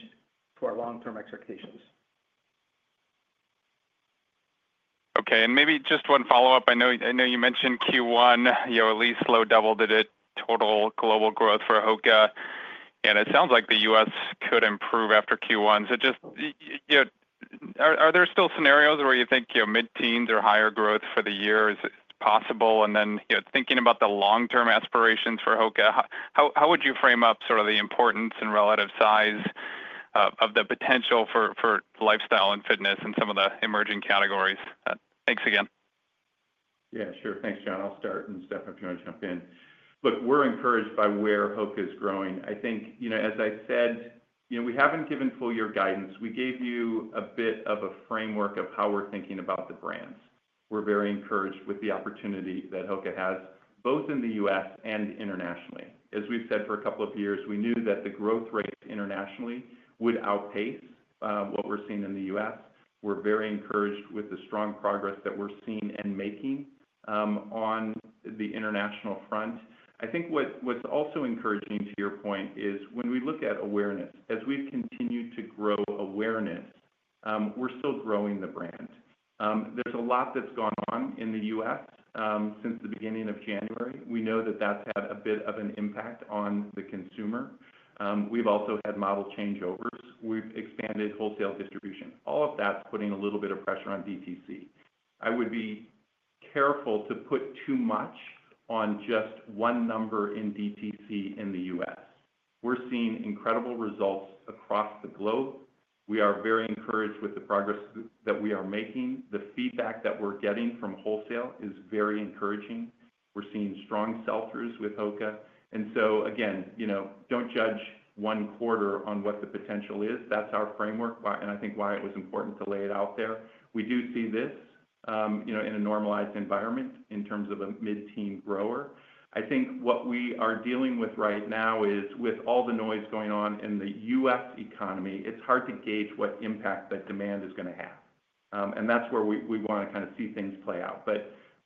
to our long-term expectations. Okay. Maybe just one follow-up. I know you mentioned Q1, you know, at least slow doubled at total global growth for HOKA. It sounds like the U.S. could improve after Q1. Just, are there still scenarios where you think mid-teens or higher growth for the year is possible? And then thinking about the long-term aspirations for HOKA, how would you frame up sort of the importance and relative size of the potential for lifestyle and fitness and some of the emerging categories? Thanks again. Yeah. Sure. Thanks, John. I'll start, and Stefano, if you want to jump in. Look, we're encouraged by where HOKA is growing. I think, as I said, we haven't given full-year guidance. We gave you a bit of a framework of how we're thinking about the brands. We're very encouraged with the opportunity that HOKA has, both in the U.S. and internationally. As we've said for a couple of years, we knew that the growth rate internationally would outpace what we're seeing in the U.S. We're very encouraged with the strong progress that we're seeing and making on the international front. I think what's also encouraging, to your point, is when we look at awareness, as we've continued to grow awareness, we're still growing the brand. There's a lot that's gone on in the U.S. since the beginning of January. We know that that's had a bit of an impact on the consumer. We've also had model changeovers. We've expanded wholesale distribution. All of that's putting a little bit of pressure on DTC. I would be careful to put too much on just one number in DTC in the U.S. We're seeing incredible results across the globe. We are very encouraged with the progress that we are making. The feedback that we're getting from wholesale is very encouraging. We're seeing strong sell-throughs with HOKA. Again, don't judge one quarter on what the potential is. That's our framework, and I think why it was important to lay it out there. We do see this in a normalized environment in terms of a mid-teens grower. I think what we are dealing with right now is, with all the noise going on in the U.S. economy, it's hard to gauge what impact that demand is going to have. That is where we want to kind of see things play out.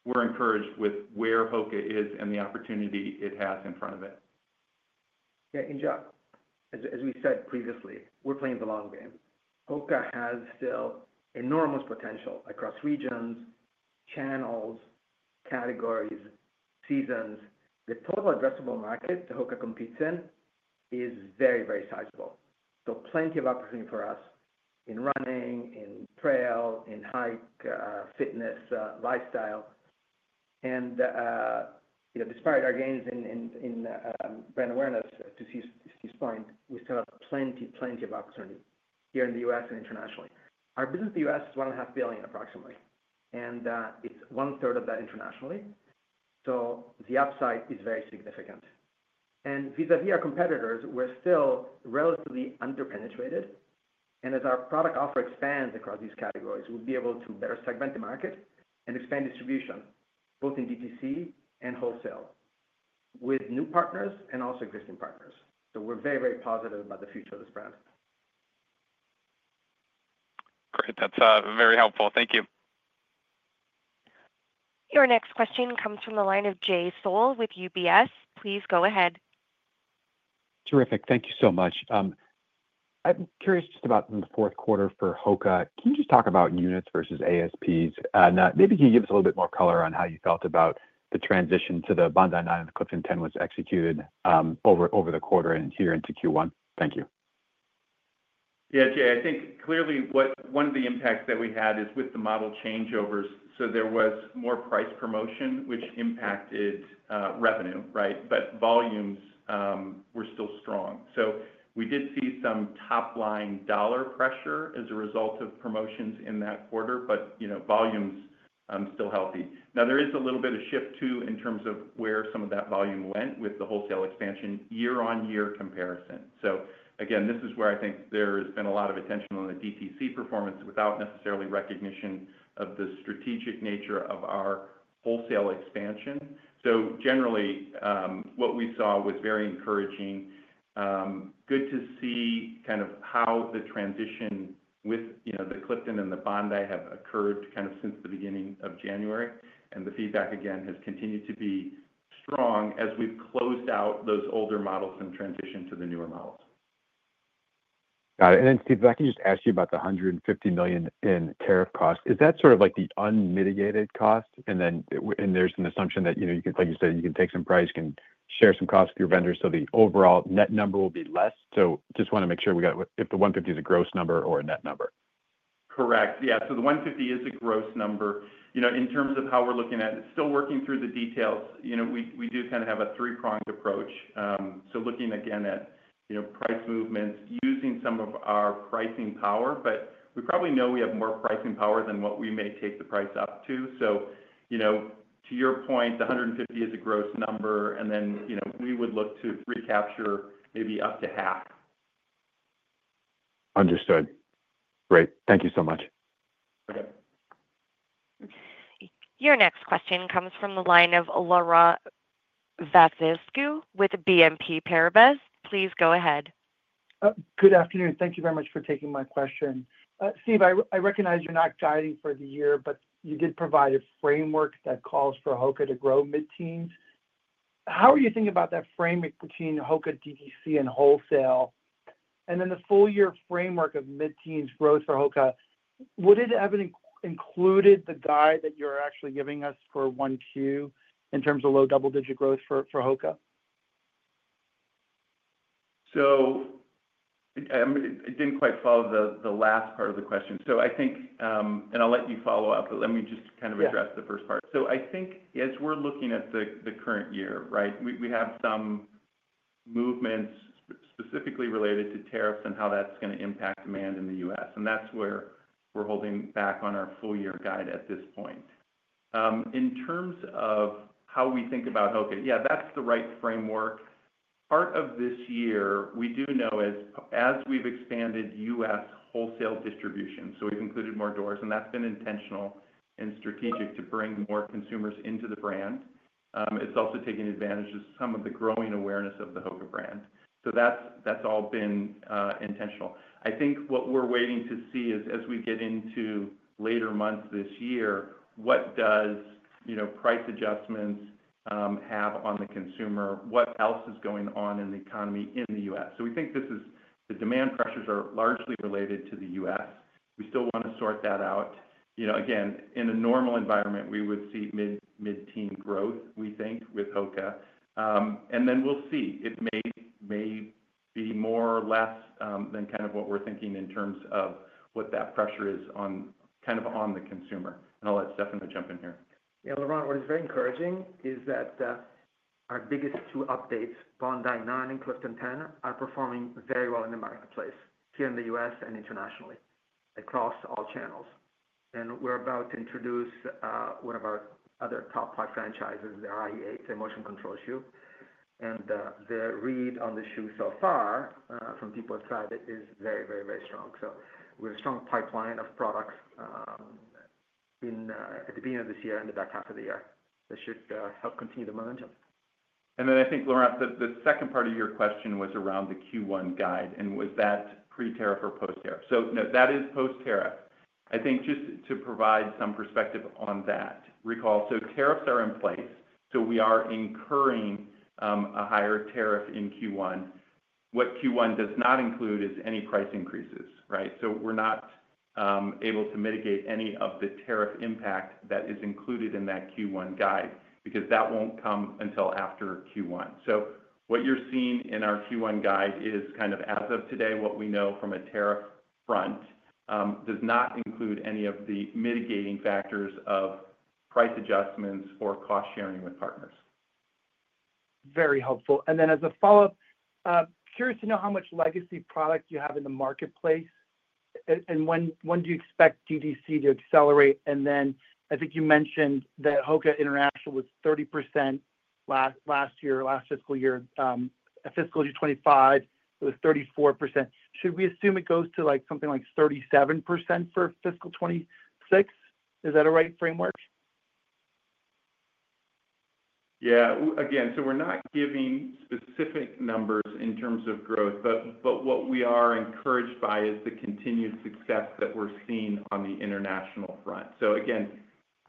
We are encouraged with where HOKA is and the opportunity it has in front of it. Yeah. John, as we said previously, we are playing the long game. HOKA has still enormous potential across regions, channels, categories, seasons. The total addressable market that HOKA competes in is very, very sizable. Plenty of opportunity for us in running, in trail, in hike, fitness, lifestyle. Despite our gains in brand awareness, to Steve's point, we still have plenty, plenty of opportunity here in the U.S. and internationally. Our business in the U.S. is $1.5 billion, approximately, and it's 1/3 of that internationally. The upside is very significant. Vis-à-vis our competitors, we're still relatively under-penetrated. As our product offer expands across these categories, we'll be able to better segment the market and expand distribution both in DTC and wholesale with new partners and also existing partners. We're very, very positive about the future of this brand. Great. That's very helpful. Thank you. Your next question comes from the line of Jay Sole with UBS. Please go ahead. Terrific. Thank you so much. I'm curious just about the fourth quarter for HOKA. Can you just talk about units versus ASPs? Maybe can you give us a little bit more color on how you felt about the transition to the Bondi 9 and the Clifton 10 was executed over the quarter and here into Q1? Thank you. Yeah. Jay, I think clearly one of the impacts that we had is with the model changeovers. There was more price promotion, which impacted revenue, right? Volumes were still strong. We did see some top-line dollar pressure as a result of promotions in that quarter, but volumes still healthy. Now, there is a little bit of shift too in terms of where some of that volume went with the wholesale expansion year-on-year comparison. This is where I think there has been a lot of attention on the DTC performance without necessarily recognition of the strategic nature of our wholesale expansion. Generally, what we saw was very encouraging. Good to see kind of how the transition with the Clifton and the Bondi have occurred kind of since the beginning of January. The feedback, again, has continued to be strong as we've closed out those older models and transitioned to the newer models. Got it. Steve, if I can just ask you about the $150 million in tariff cost, is that sort of like the unmitigated cost? There's an assumption that, like you said, you can take some price, can share some costs with your vendors so the overall net number will be less. I just want to make sure we got if the $150 is a gross number or a net number. Correct. The $150 is a gross number. In terms of how we're looking at it, still working through the details, we do kind of have a three-pronged approach. Looking again at price movements, using some of our pricing power, but we probably know we have more pricing power than what we may take the price up to. To your point, the $150 is a gross number, and then we would look to recapture maybe up to half. Understood. Great. Thank you so much. Your next question comes from the line of Laurent Vasilescu with BNP Paribas. Please go ahead. Good afternoon. Thank you very much for taking my question. Steve, I recognize you're not guiding for the year, but you did provide a framework that calls for HOKA to grow mid-teens. How are you thinking about that framework between HOKA, DTC, and wholesale? And then the full-year framework of mid-teens growth for HOKA, would it have included the guide that you're actually giving us for 1Q in terms of low double-digit growth for HOKA? I did not quite follow the last part of the question. I think, and I will let you follow up, but let me just kind of address the first part. I think as we are looking at the current year, right, we have some movements specifically related to tariffs and how that is going to impact demand in the U.S. That is where we are holding back on our full-year guide at this point. In terms of how we think about HOKA, yeah, that is the right framework. Part of this year, we do know as we have expanded U.S. wholesale distribution, we have included more doors, and that has been intentional and strategic to bring more consumers into the brand. It has also taken advantage of some of the growing awareness of the HOKA brand. That has all been intentional. I think what we're waiting to see is, as we get into later months this year, what does price adjustments have on the consumer? What else is going on in the economy in the U.S.? We think the demand pressures are largely related to the U.S. We still want to sort that out. Again, in a normal environment, we would see mid-teens growth, we think, with HOKA. We will see. It may be more or less than kind of what we're thinking in terms of what that pressure is kind of on the consumer. I'll let Stefano jump in here. Yeah. Laurent, what is very encouraging is that our biggest two updates, Bondi 9 and Clifton 10, are performing very well in the marketplace here in the U.S. and internationally across all channels. We're about to introduce one of our other top five franchises, the Arahi 8, the motion control shoe. The read on the shoe so far from people who have tried it is very, very, very strong. We have a strong pipeline of products at the beginning of this year and the back half of the year. That should help continue the momentum. I think, Laurent, the second part of your question was around the Q1 guide. Was that pre-tariff or post-tariff? No, that is post-tariff. I think just to provide some perspective on that, recall, tariffs are in place. We are incurring a higher tariff in Q1. What Q1 does not include is any price increases, right? We're not able to mitigate any of the tariff impact that is included in that Q1 guide because that will not come until after Q1. What you're seeing in our Q1 guide is kind of as of today, what we know from a tariff front does not include any of the mitigating factors of price adjustments or cost-sharing with partners. Very helpful. As a follow-up, curious to know how much legacy product you have in the marketplace. When do you expect DTC to accelerate? I think you mentioned that HOKA International was 30% last year, last fiscal year. Fiscal year 2025, it was 34%. Should we assume it goes to something like 37% for fiscal 2026? Is that a right framework? Yeah. Again, we're not giving specific numbers in terms of growth, but what we are encouraged by is the continued success that we're seeing on the international front. Again,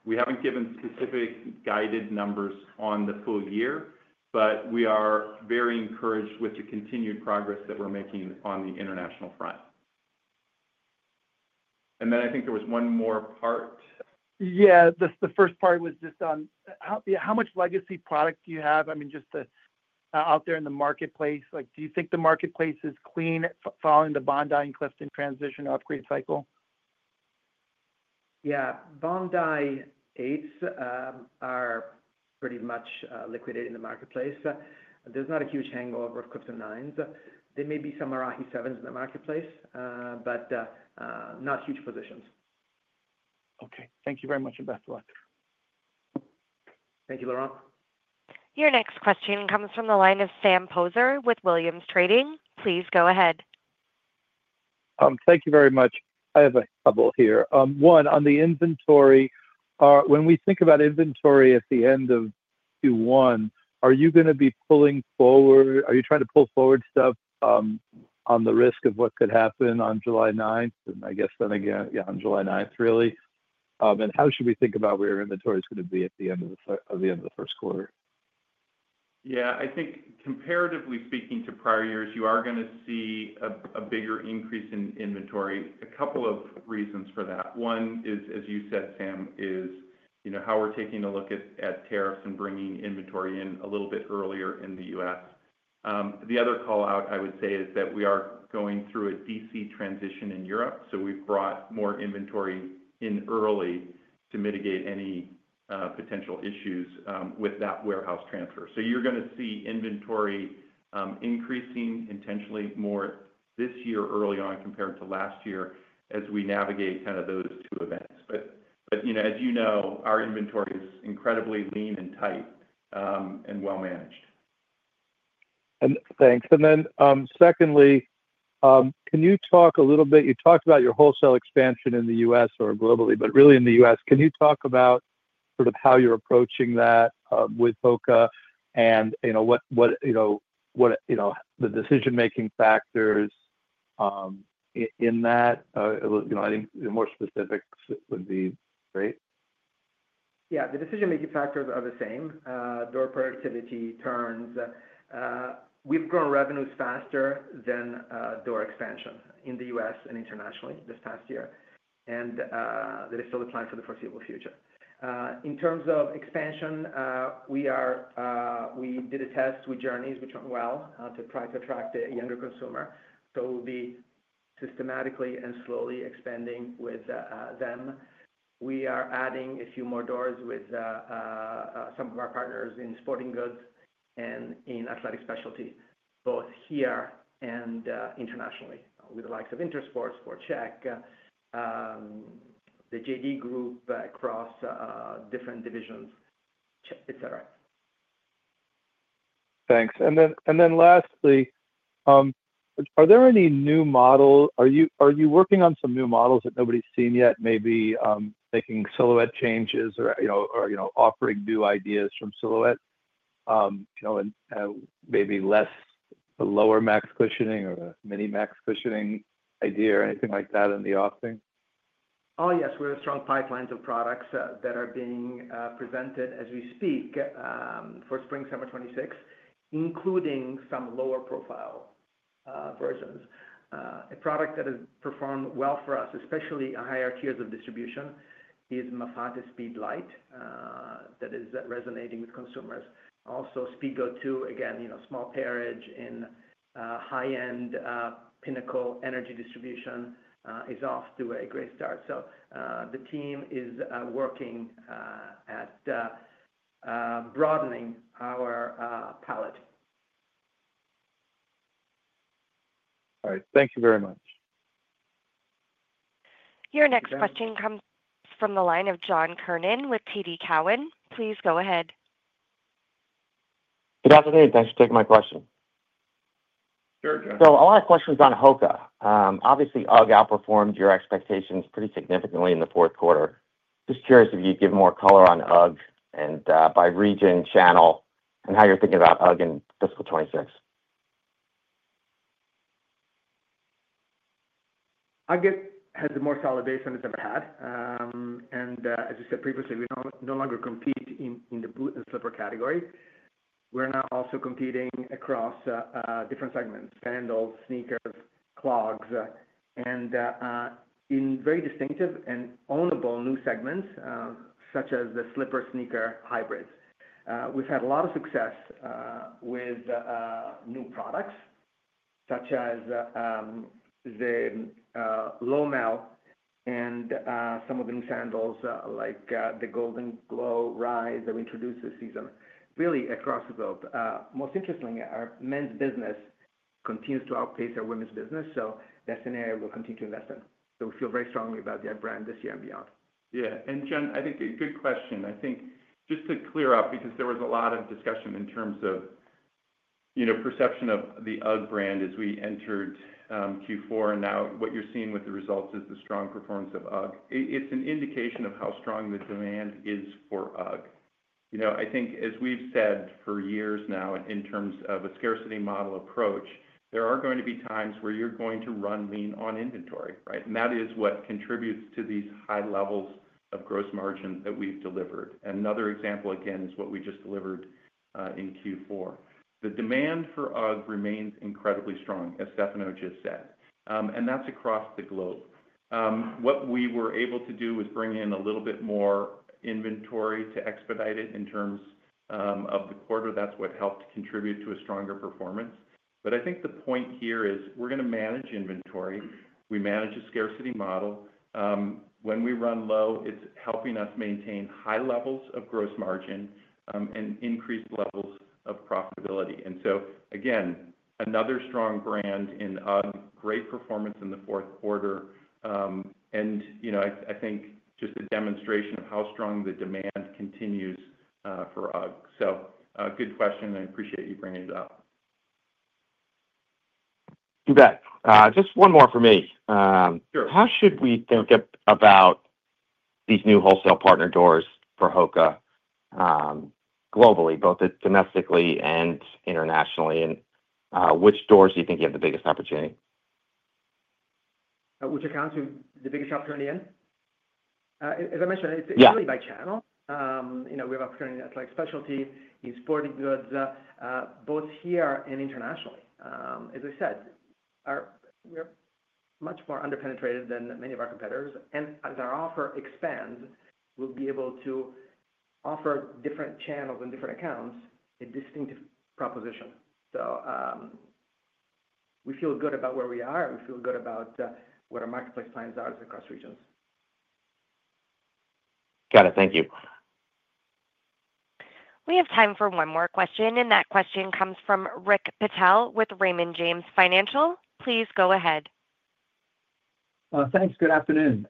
we have not given specific guided numbers on the full year, but we are very encouraged with the continued progress that we are making on the international front. I think there was one more part. Yeah. The first part was just on how much legacy product do you have? I mean, just out there in the marketplace, do you think the marketplace is clean following the Bondi and Clifton transition upgrade cycle? Yeah. Bondi 8s are pretty much liquidated in the marketplace. There is not a huge hangover of Clifton 9s. There may be some Arahi 7s in the marketplace, but not huge positions. Okay. Thank you very much and best of luck. Thank you, Laurent. Your next question comes from the line of Sam Poser with Williams Trading. Please go ahead. Thank you very much. I have a couple here. One, on the inventory, when we think about inventory at the end of Q1, are you going to be pulling forward? Are you trying to pull forward stuff on the risk of what could happen on July 9th? I guess then again, yeah, on July 9th, really. How should we think about where your inventory is going to be at the end of the first quarter? Yeah. I think comparatively speaking to prior years, you are going to see a bigger increase in inventory. A couple of reasons for that. One is, as you said, Sam, is how we're taking a look at tariffs and bringing inventory in a little bit earlier in the U.S. The other callout I would say is that we are going through a DC transition in Europe. We have brought more inventory in early to mitigate any potential issues with that warehouse transfer. You're going to see inventory increasing intentionally more this year early on compared to last year as we navigate kind of those two events. As you know, our inventory is incredibly lean and tight and well-managed. Thanks. Secondly, can you talk a little bit? You talked about your wholesale expansion in the U.S. or globally, but really in the U.S. Can you talk about sort of how you're approaching that with HOKA and what the decision-making factors are in that? I think the more specifics would be great. Yeah. The decision-making factors are the same: door productivity, turns. We've grown revenues faster than door expansion in the U.S. and internationally this past year. That is still the plan for the foreseeable future. In terms of expansion, we did a test with Journeys, which went well, to try to attract a younger consumer. We'll be systematically and slowly expanding with them. We are adding a few more doors with some of our partners in sporting goods and in athletic specialty, both here and internationally, with the likes of Intersport, Fortech, the JD Group across different divisions, etc. Thanks. Lastly, are there any new models? Are you working on some new models that nobody's seen yet, maybe making silhouette changes or offering new ideas from silhouette and maybe less lower max cushioning or mini-max cushioning idea or anything like that in the offing? Oh, yes. We have strong pipelines of products that are being presented as we speak for Spring Summer 2026, including some lower profile versions. A product that has performed well for us, especially higher tiers of distribution, is Mafate Speed Light that is resonating with consumers. Also, Speedgo 2, again, small perage in high-end pinnacle energy distribution, is off to a great start. The team is working at broadening our palette. All right. Thank you very much. Your next question comes from the line of John Kernan with TD Cowen. Please go ahead. Good afternoon. Thanks for taking my question. Sure, John. A lot of questions on HOKA. Obviously, UGG outperformed your expectations pretty significantly in the fourth quarter. Just curious if you'd give more color on UGG and by region channel and how you're thinking about UGG in fiscal 2026. UGG has the more solid base than it's ever had. As you said previously, we no longer compete in the boot and slipper category. We're now also competing across different segments: sandals, sneakers, clogs, and in very distinctive and ownable new segments such as the slipper-sneaker hybrids. We've had a lot of success with new products such as the Lowmel and some of the new sandals like the Golden Glow Rise that we introduced this season, really across the globe. Most interestingly, our men's business continues to outpace our women's business. That is an area we'll continue to invest in. We feel very strongly about the UGG brand this year and beyond. Yeah. John, I think a good question. I think just to clear up, because there was a lot of discussion in terms of perception of the UGG brand as we entered Q4, and now what you're seeing with the results is the strong performance of UGG. It's an indication of how strong the demand is for UGG. I think as we have said for years now in terms of a scarcity model approach, there are going to be times where you are going to run lean on inventory, right? That is what contributes to these high levels of gross margin that we have delivered. Another example, again, is what we just delivered in Q4. The demand for UGG remains incredibly strong, as Stefano just said. That is across the globe. What we were able to do was bring in a little bit more inventory to expedite it in terms of the quarter. That is what helped contribute to a stronger performance. I think the point here is we are going to manage inventory. We manage a scarcity model. When we run low, it is helping us maintain high levels of gross margin and increased levels of profitability. Again, another strong brand in UGG, great performance in the fourth quarter. I think just a demonstration of how strong the demand continues for UGG. Good question. I appreciate you bringing it up. Ben, just one more for me. How should we think about these new wholesale partner doors for HOKA globally, both domestically and internationally? Which doors do you think you have the biggest opportunity? Which accounts are the biggest opportunity in? As I mentioned, it is really by channel. We have opportunity at specialty in sporting goods, both here and internationally. As I said, we are much more underpenetrated than many of our competitors. As our offer expands, we will be able to offer different channels and different accounts a distinctive proposition. We feel good about where we are. We feel good about what our marketplace plans are across regions. Got it. Thank you. We have time for one more question. That question comes from Rick Patel with Raymond James Financial. Please go ahead. Thanks. Good afternoon.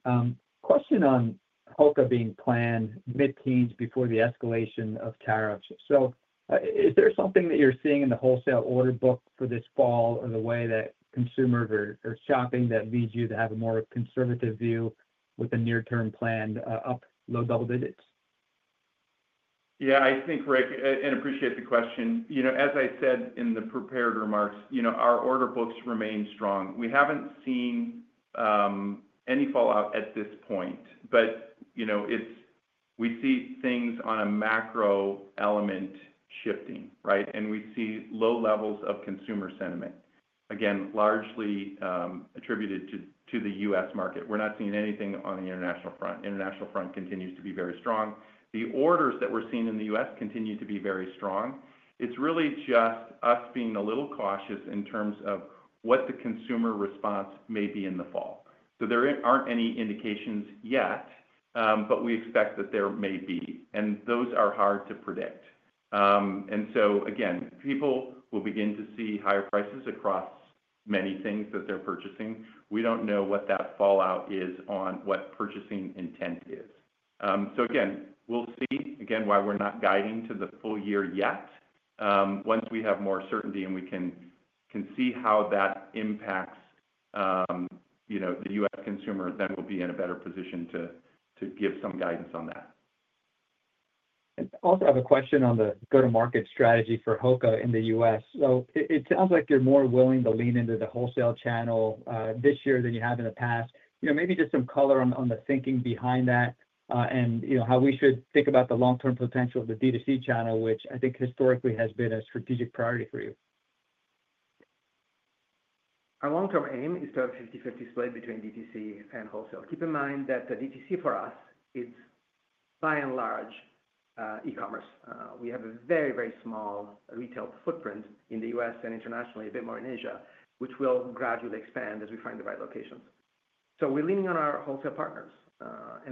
Question on HOKA being planned mid-teens before the escalation of tariffs. Is there something that you are seeing in the wholesale order book for this fall or the way that consumers are shopping that leads you to have a more conservative view with a near-term plan up low double digits? Yeah. I think, Rick, and appreciate the question. As I said in the prepared remarks, our order books remain strong. We have not seen any fallout at this point, but we see things on a macro element shifting, right? We see low levels of consumer sentiment, again, largely attributed to the U.S. market. We are not seeing anything on the international front. International front continues to be very strong. The orders that we're seeing in the U.S. continue to be very strong. It's really just us being a little cautious in terms of what the consumer response may be in the fall. There aren't any indications yet, but we expect that there may be. Those are hard to predict. People will begin to see higher prices across many things that they're purchasing. We don't know what that fallout is on what purchasing intent is. We'll see again why we're not guiding to the full year yet. Once we have more certainty and we can see how that impacts the U.S. consumer, then we'll be in a better position to give some guidance on that. I also have a question on the go-to-market strategy for HOKA in the U.S. It sounds like you're more willing to lean into the wholesale channel this year than you have in the past. Maybe just some color on the thinking behind that and how we should think about the long-term potential of the DTC channel, which I think historically has been a strategic priority for you. Our long-term aim is to have a 50/50 split between DTC and wholesale. Keep in mind that DTC for us, it's by and large e-commerce. We have a very, very small retail footprint in the U.S. and internationally, a bit more in Asia, which will gradually expand as we find the right locations. We're leaning on our wholesale partners.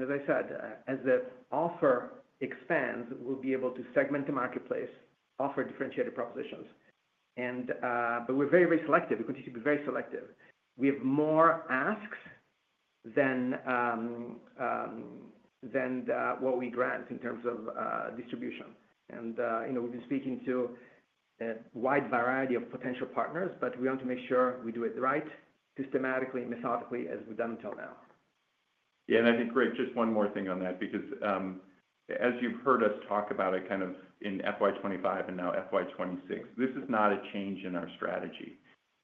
As I said, as the offer expands, we'll be able to segment the marketplace, offer differentiated propositions. We're very, very selective. We continue to be very selective. We have more asks than what we grant in terms of distribution. We have been speaking to a wide variety of potential partners, but we want to make sure we do it right, systematically, methodically, as we have done until now. Yeah. I think, Rick, just one more thing on that, because as you have heard us talk about it kind of in FY 2025 and now FY 2026, this is not a change in our strategy.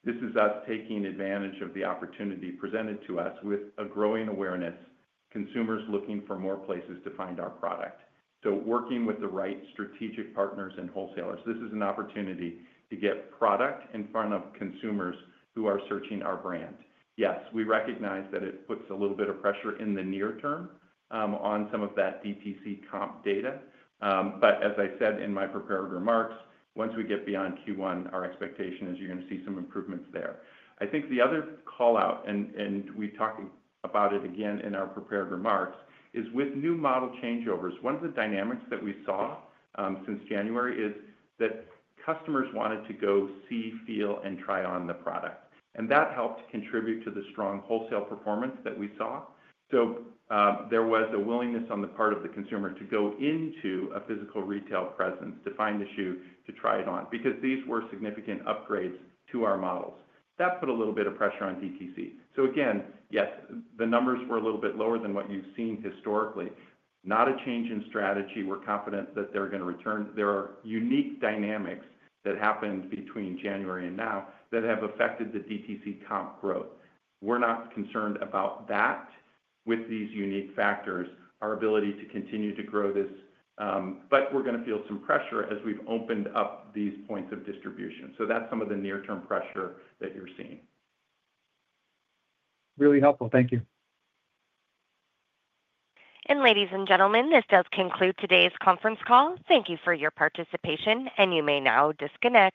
This is us taking advantage of the opportunity presented to us with a growing awareness, consumers looking for more places to find our product. Working with the right strategic partners and wholesalers, this is an opportunity to get product in front of consumers who are searching our brand. Yes, we recognize that it puts a little bit of pressure in the near term on some of that DTC comp data. As I said in my prepared remarks, once we get beyond Q1, our expectation is you're going to see some improvements there. I think the other callout, and we've talked about it again in our prepared remarks, is with new model changeovers. One of the dynamics that we saw since January is that customers wanted to go see, feel, and try on the product. That helped contribute to the strong wholesale performance that we saw. There was a willingness on the part of the consumer to go into a physical retail presence to find the shoe to try it on because these were significant upgrades to our models. That put a little bit of pressure on DTC. Yes, the numbers were a little bit lower than what you've seen historically. Not a change in strategy. We're confident that they're going to return. There are unique dynamics that happened between January and now that have affected the DTC comp growth. We're not concerned about that with these unique factors, our ability to continue to grow this, but we're going to feel some pressure as we've opened up these points of distribution. That is some of the near-term pressure that you're seeing. Really helpful. Thank you. Ladies and gentlemen, this does conclude today's conference call. Thank you for your participation, and you may now disconnect.